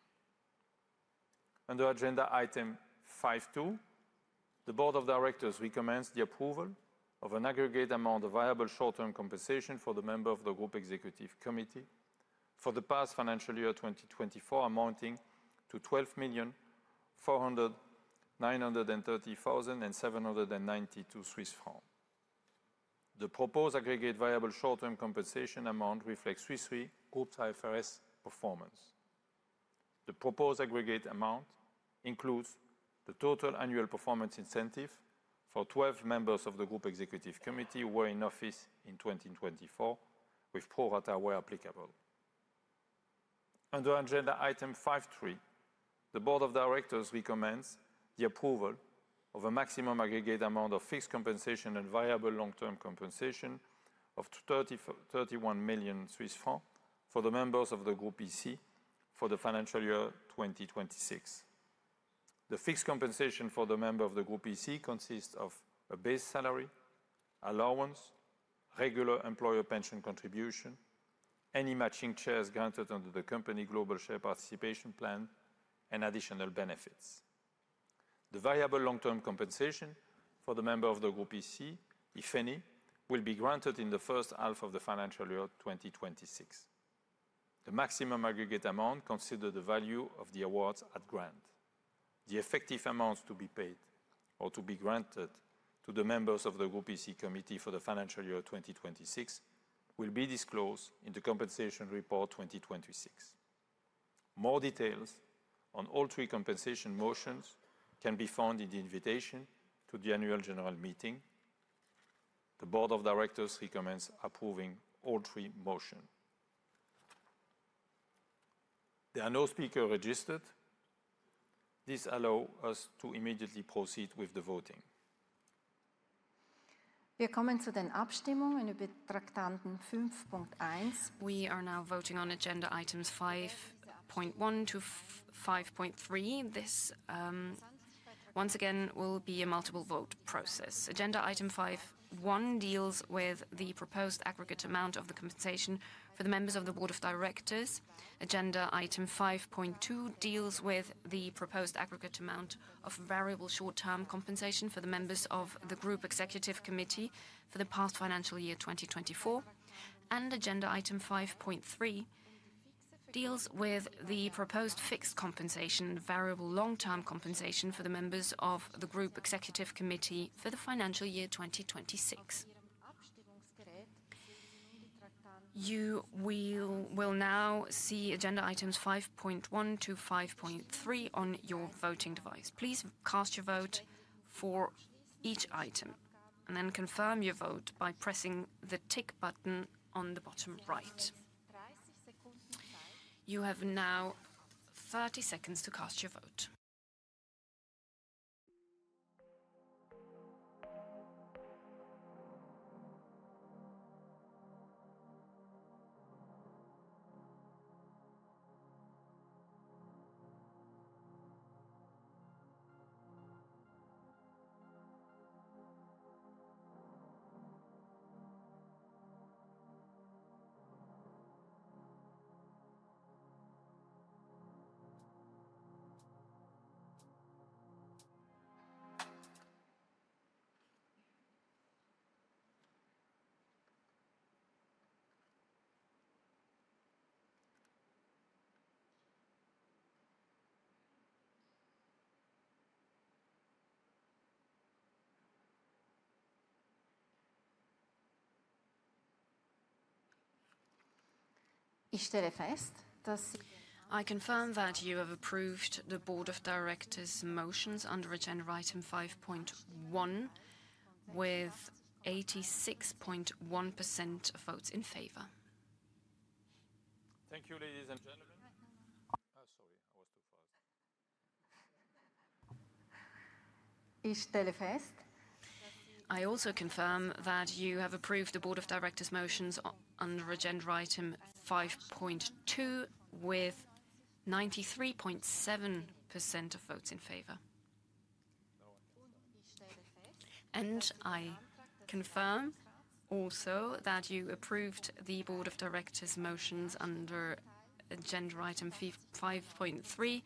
Under agenda item 5.2, the Board of Directors recommends the approval of an aggregate amount of variable short-term compensation for the members of the Group Executive Committee for the past financial year 2024, amounting to 12,400,930.792 Swiss francs. The proposed aggregate variable short-term compensation amount reflects Swiss Re Group's IFRS performance. The proposed aggregate amount includes the total annual performance incentive for 12 members of the Group Executive Committee who were in office in 2024, with pro rata where applicable. Under agenda item 5.3, the Board of Directors recommends the approval of a maximum aggregate amount of fixed compensation and variable long-term compensation of 31 million Swiss francs for the members of the Group EC for the financial year 2026. The fixed compensation for the members of the Group EC consists of a base salary, allowance, regular employer pension contribution, any matching shares granted under the company global share participation plan, and additional benefits. The variable long-term compensation for the members of the Group EC, if any, will be granted in the first half of the financial year 2026. The maximum aggregate amount is considered the value of the awards at grant. The effective amounts to be paid or to be granted to the members of the Group EC committee for the financial year 2026 will be disclosed in the compensation report 2026. More details on all three compensation motions can be found in the invitation to the Annual General Meeting. The Board of Directors recommends approving all three motions. There are no speakers registered. This allows us to immediately proceed with the voting. Wir kommen zu den Abstimmungen über Traktaten 5.1. We are now voting on agenda items 5.1-5.3. This once again will be a multiple vote process. Agenda item 5.1 deals with the proposed aggregate amount of the compensation for the members of the Board of Directors. Agenda item 5.2 deals with the proposed aggregate amount of variable short-term compensation for the members of the Group Executive Committee for the past financial year 2024. Agenda item 5.3 deals with the proposed fixed compensation, variable long-term compensation for the members of the Group Executive Committee for the financial year 2026. You will now see agenda items 5.1 to 5.3 on your voting device. Please cast your vote for each item and then confirm your vote by pressing the tick button on the bottom right. You have now 30 seconds to cast your vote. Ich stelle fest, dass. I confirm that you have approved the Board of Directors' motions under agenda item 5.1 with 86.1% of votes in favor. Thank you, ladies and gentlemen. Sorry, I was too fast. Ich stelle fest. I also confirm that you have approved the Board of Directors' motions under agenda item 5.2 with 93.7% of votes in favor. I confirm also that you approved the board of directors' motions under agenda item 5.3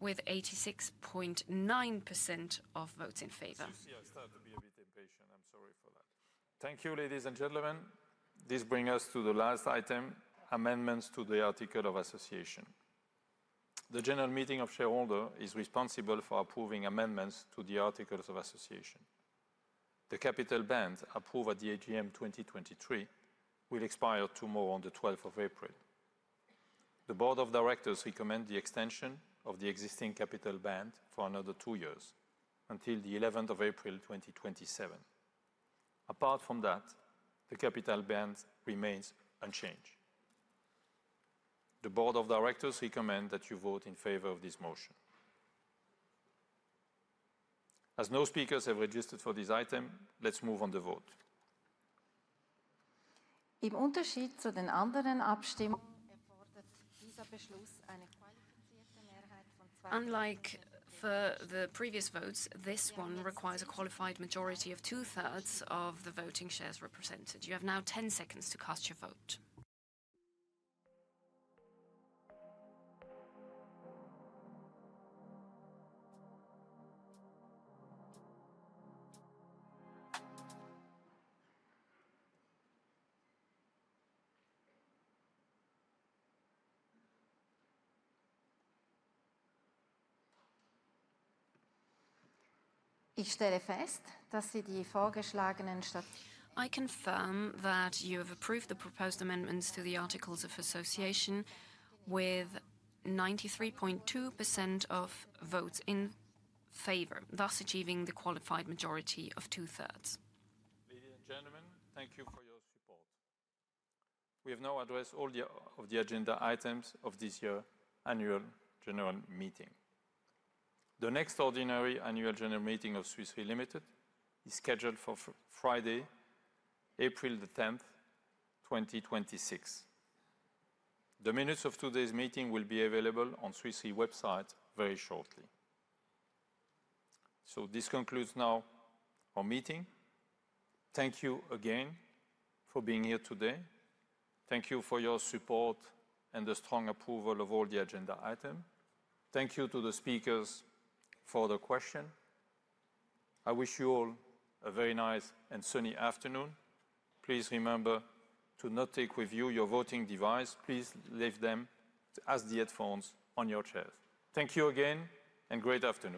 with 86.9% of votes in favor. Thank you, ladies and gentlemen. This brings us to the last item: amendments to the Article of Association. The general meeting of shareholders is responsible for approving amendments to the Articles of Association. The capital bans approved at the AGM 2023 will expire tomorrow, on the 12th of April. The board of directors recommends the extension of the existing capital ban for another two years until the 11th of April 2027. Apart from that, the capital ban remains unchanged. The board of directors recommends that you vote in favor of this motion. As no speakers have registered for this item, let's move on the vote. Im Unterschied zu den anderen Abstimmungen erfordert dieser Beschluss eine qualifizierte Mehrheit von. Unlike the previous votes, this one requires a qualified majority of two-thirds of the voting shares represented. You have now 10 seconds to cast your vote. Ich stelle fest, dass Sie die vorgeschlagenen. I confirm that you have approved the proposed amendments to the Articles of Association with 93.2% of votes in favor, thus achieving the qualified majority of two-thirds. Ladies and gentlemen, thank you for your support. We have now addressed all of the agenda items of this year's Annual General Meeting. The next ordinary Annual General Meeting of Swiss Re Limited is scheduled for Friday, April the 10th, 2026. The minutes of today's meeting will be available on Swiss Re's website very shortly. This concludes now our meeting. Thank you again for being here today. Thank you for your support and the strong approval of all the agenda items. Thank you to the speakers for the question. I wish you all a very nice and sunny afternoon. Please remember to not take with you your voting device. Please leave them as the headphones on your chair. Thank you again and great afternoon.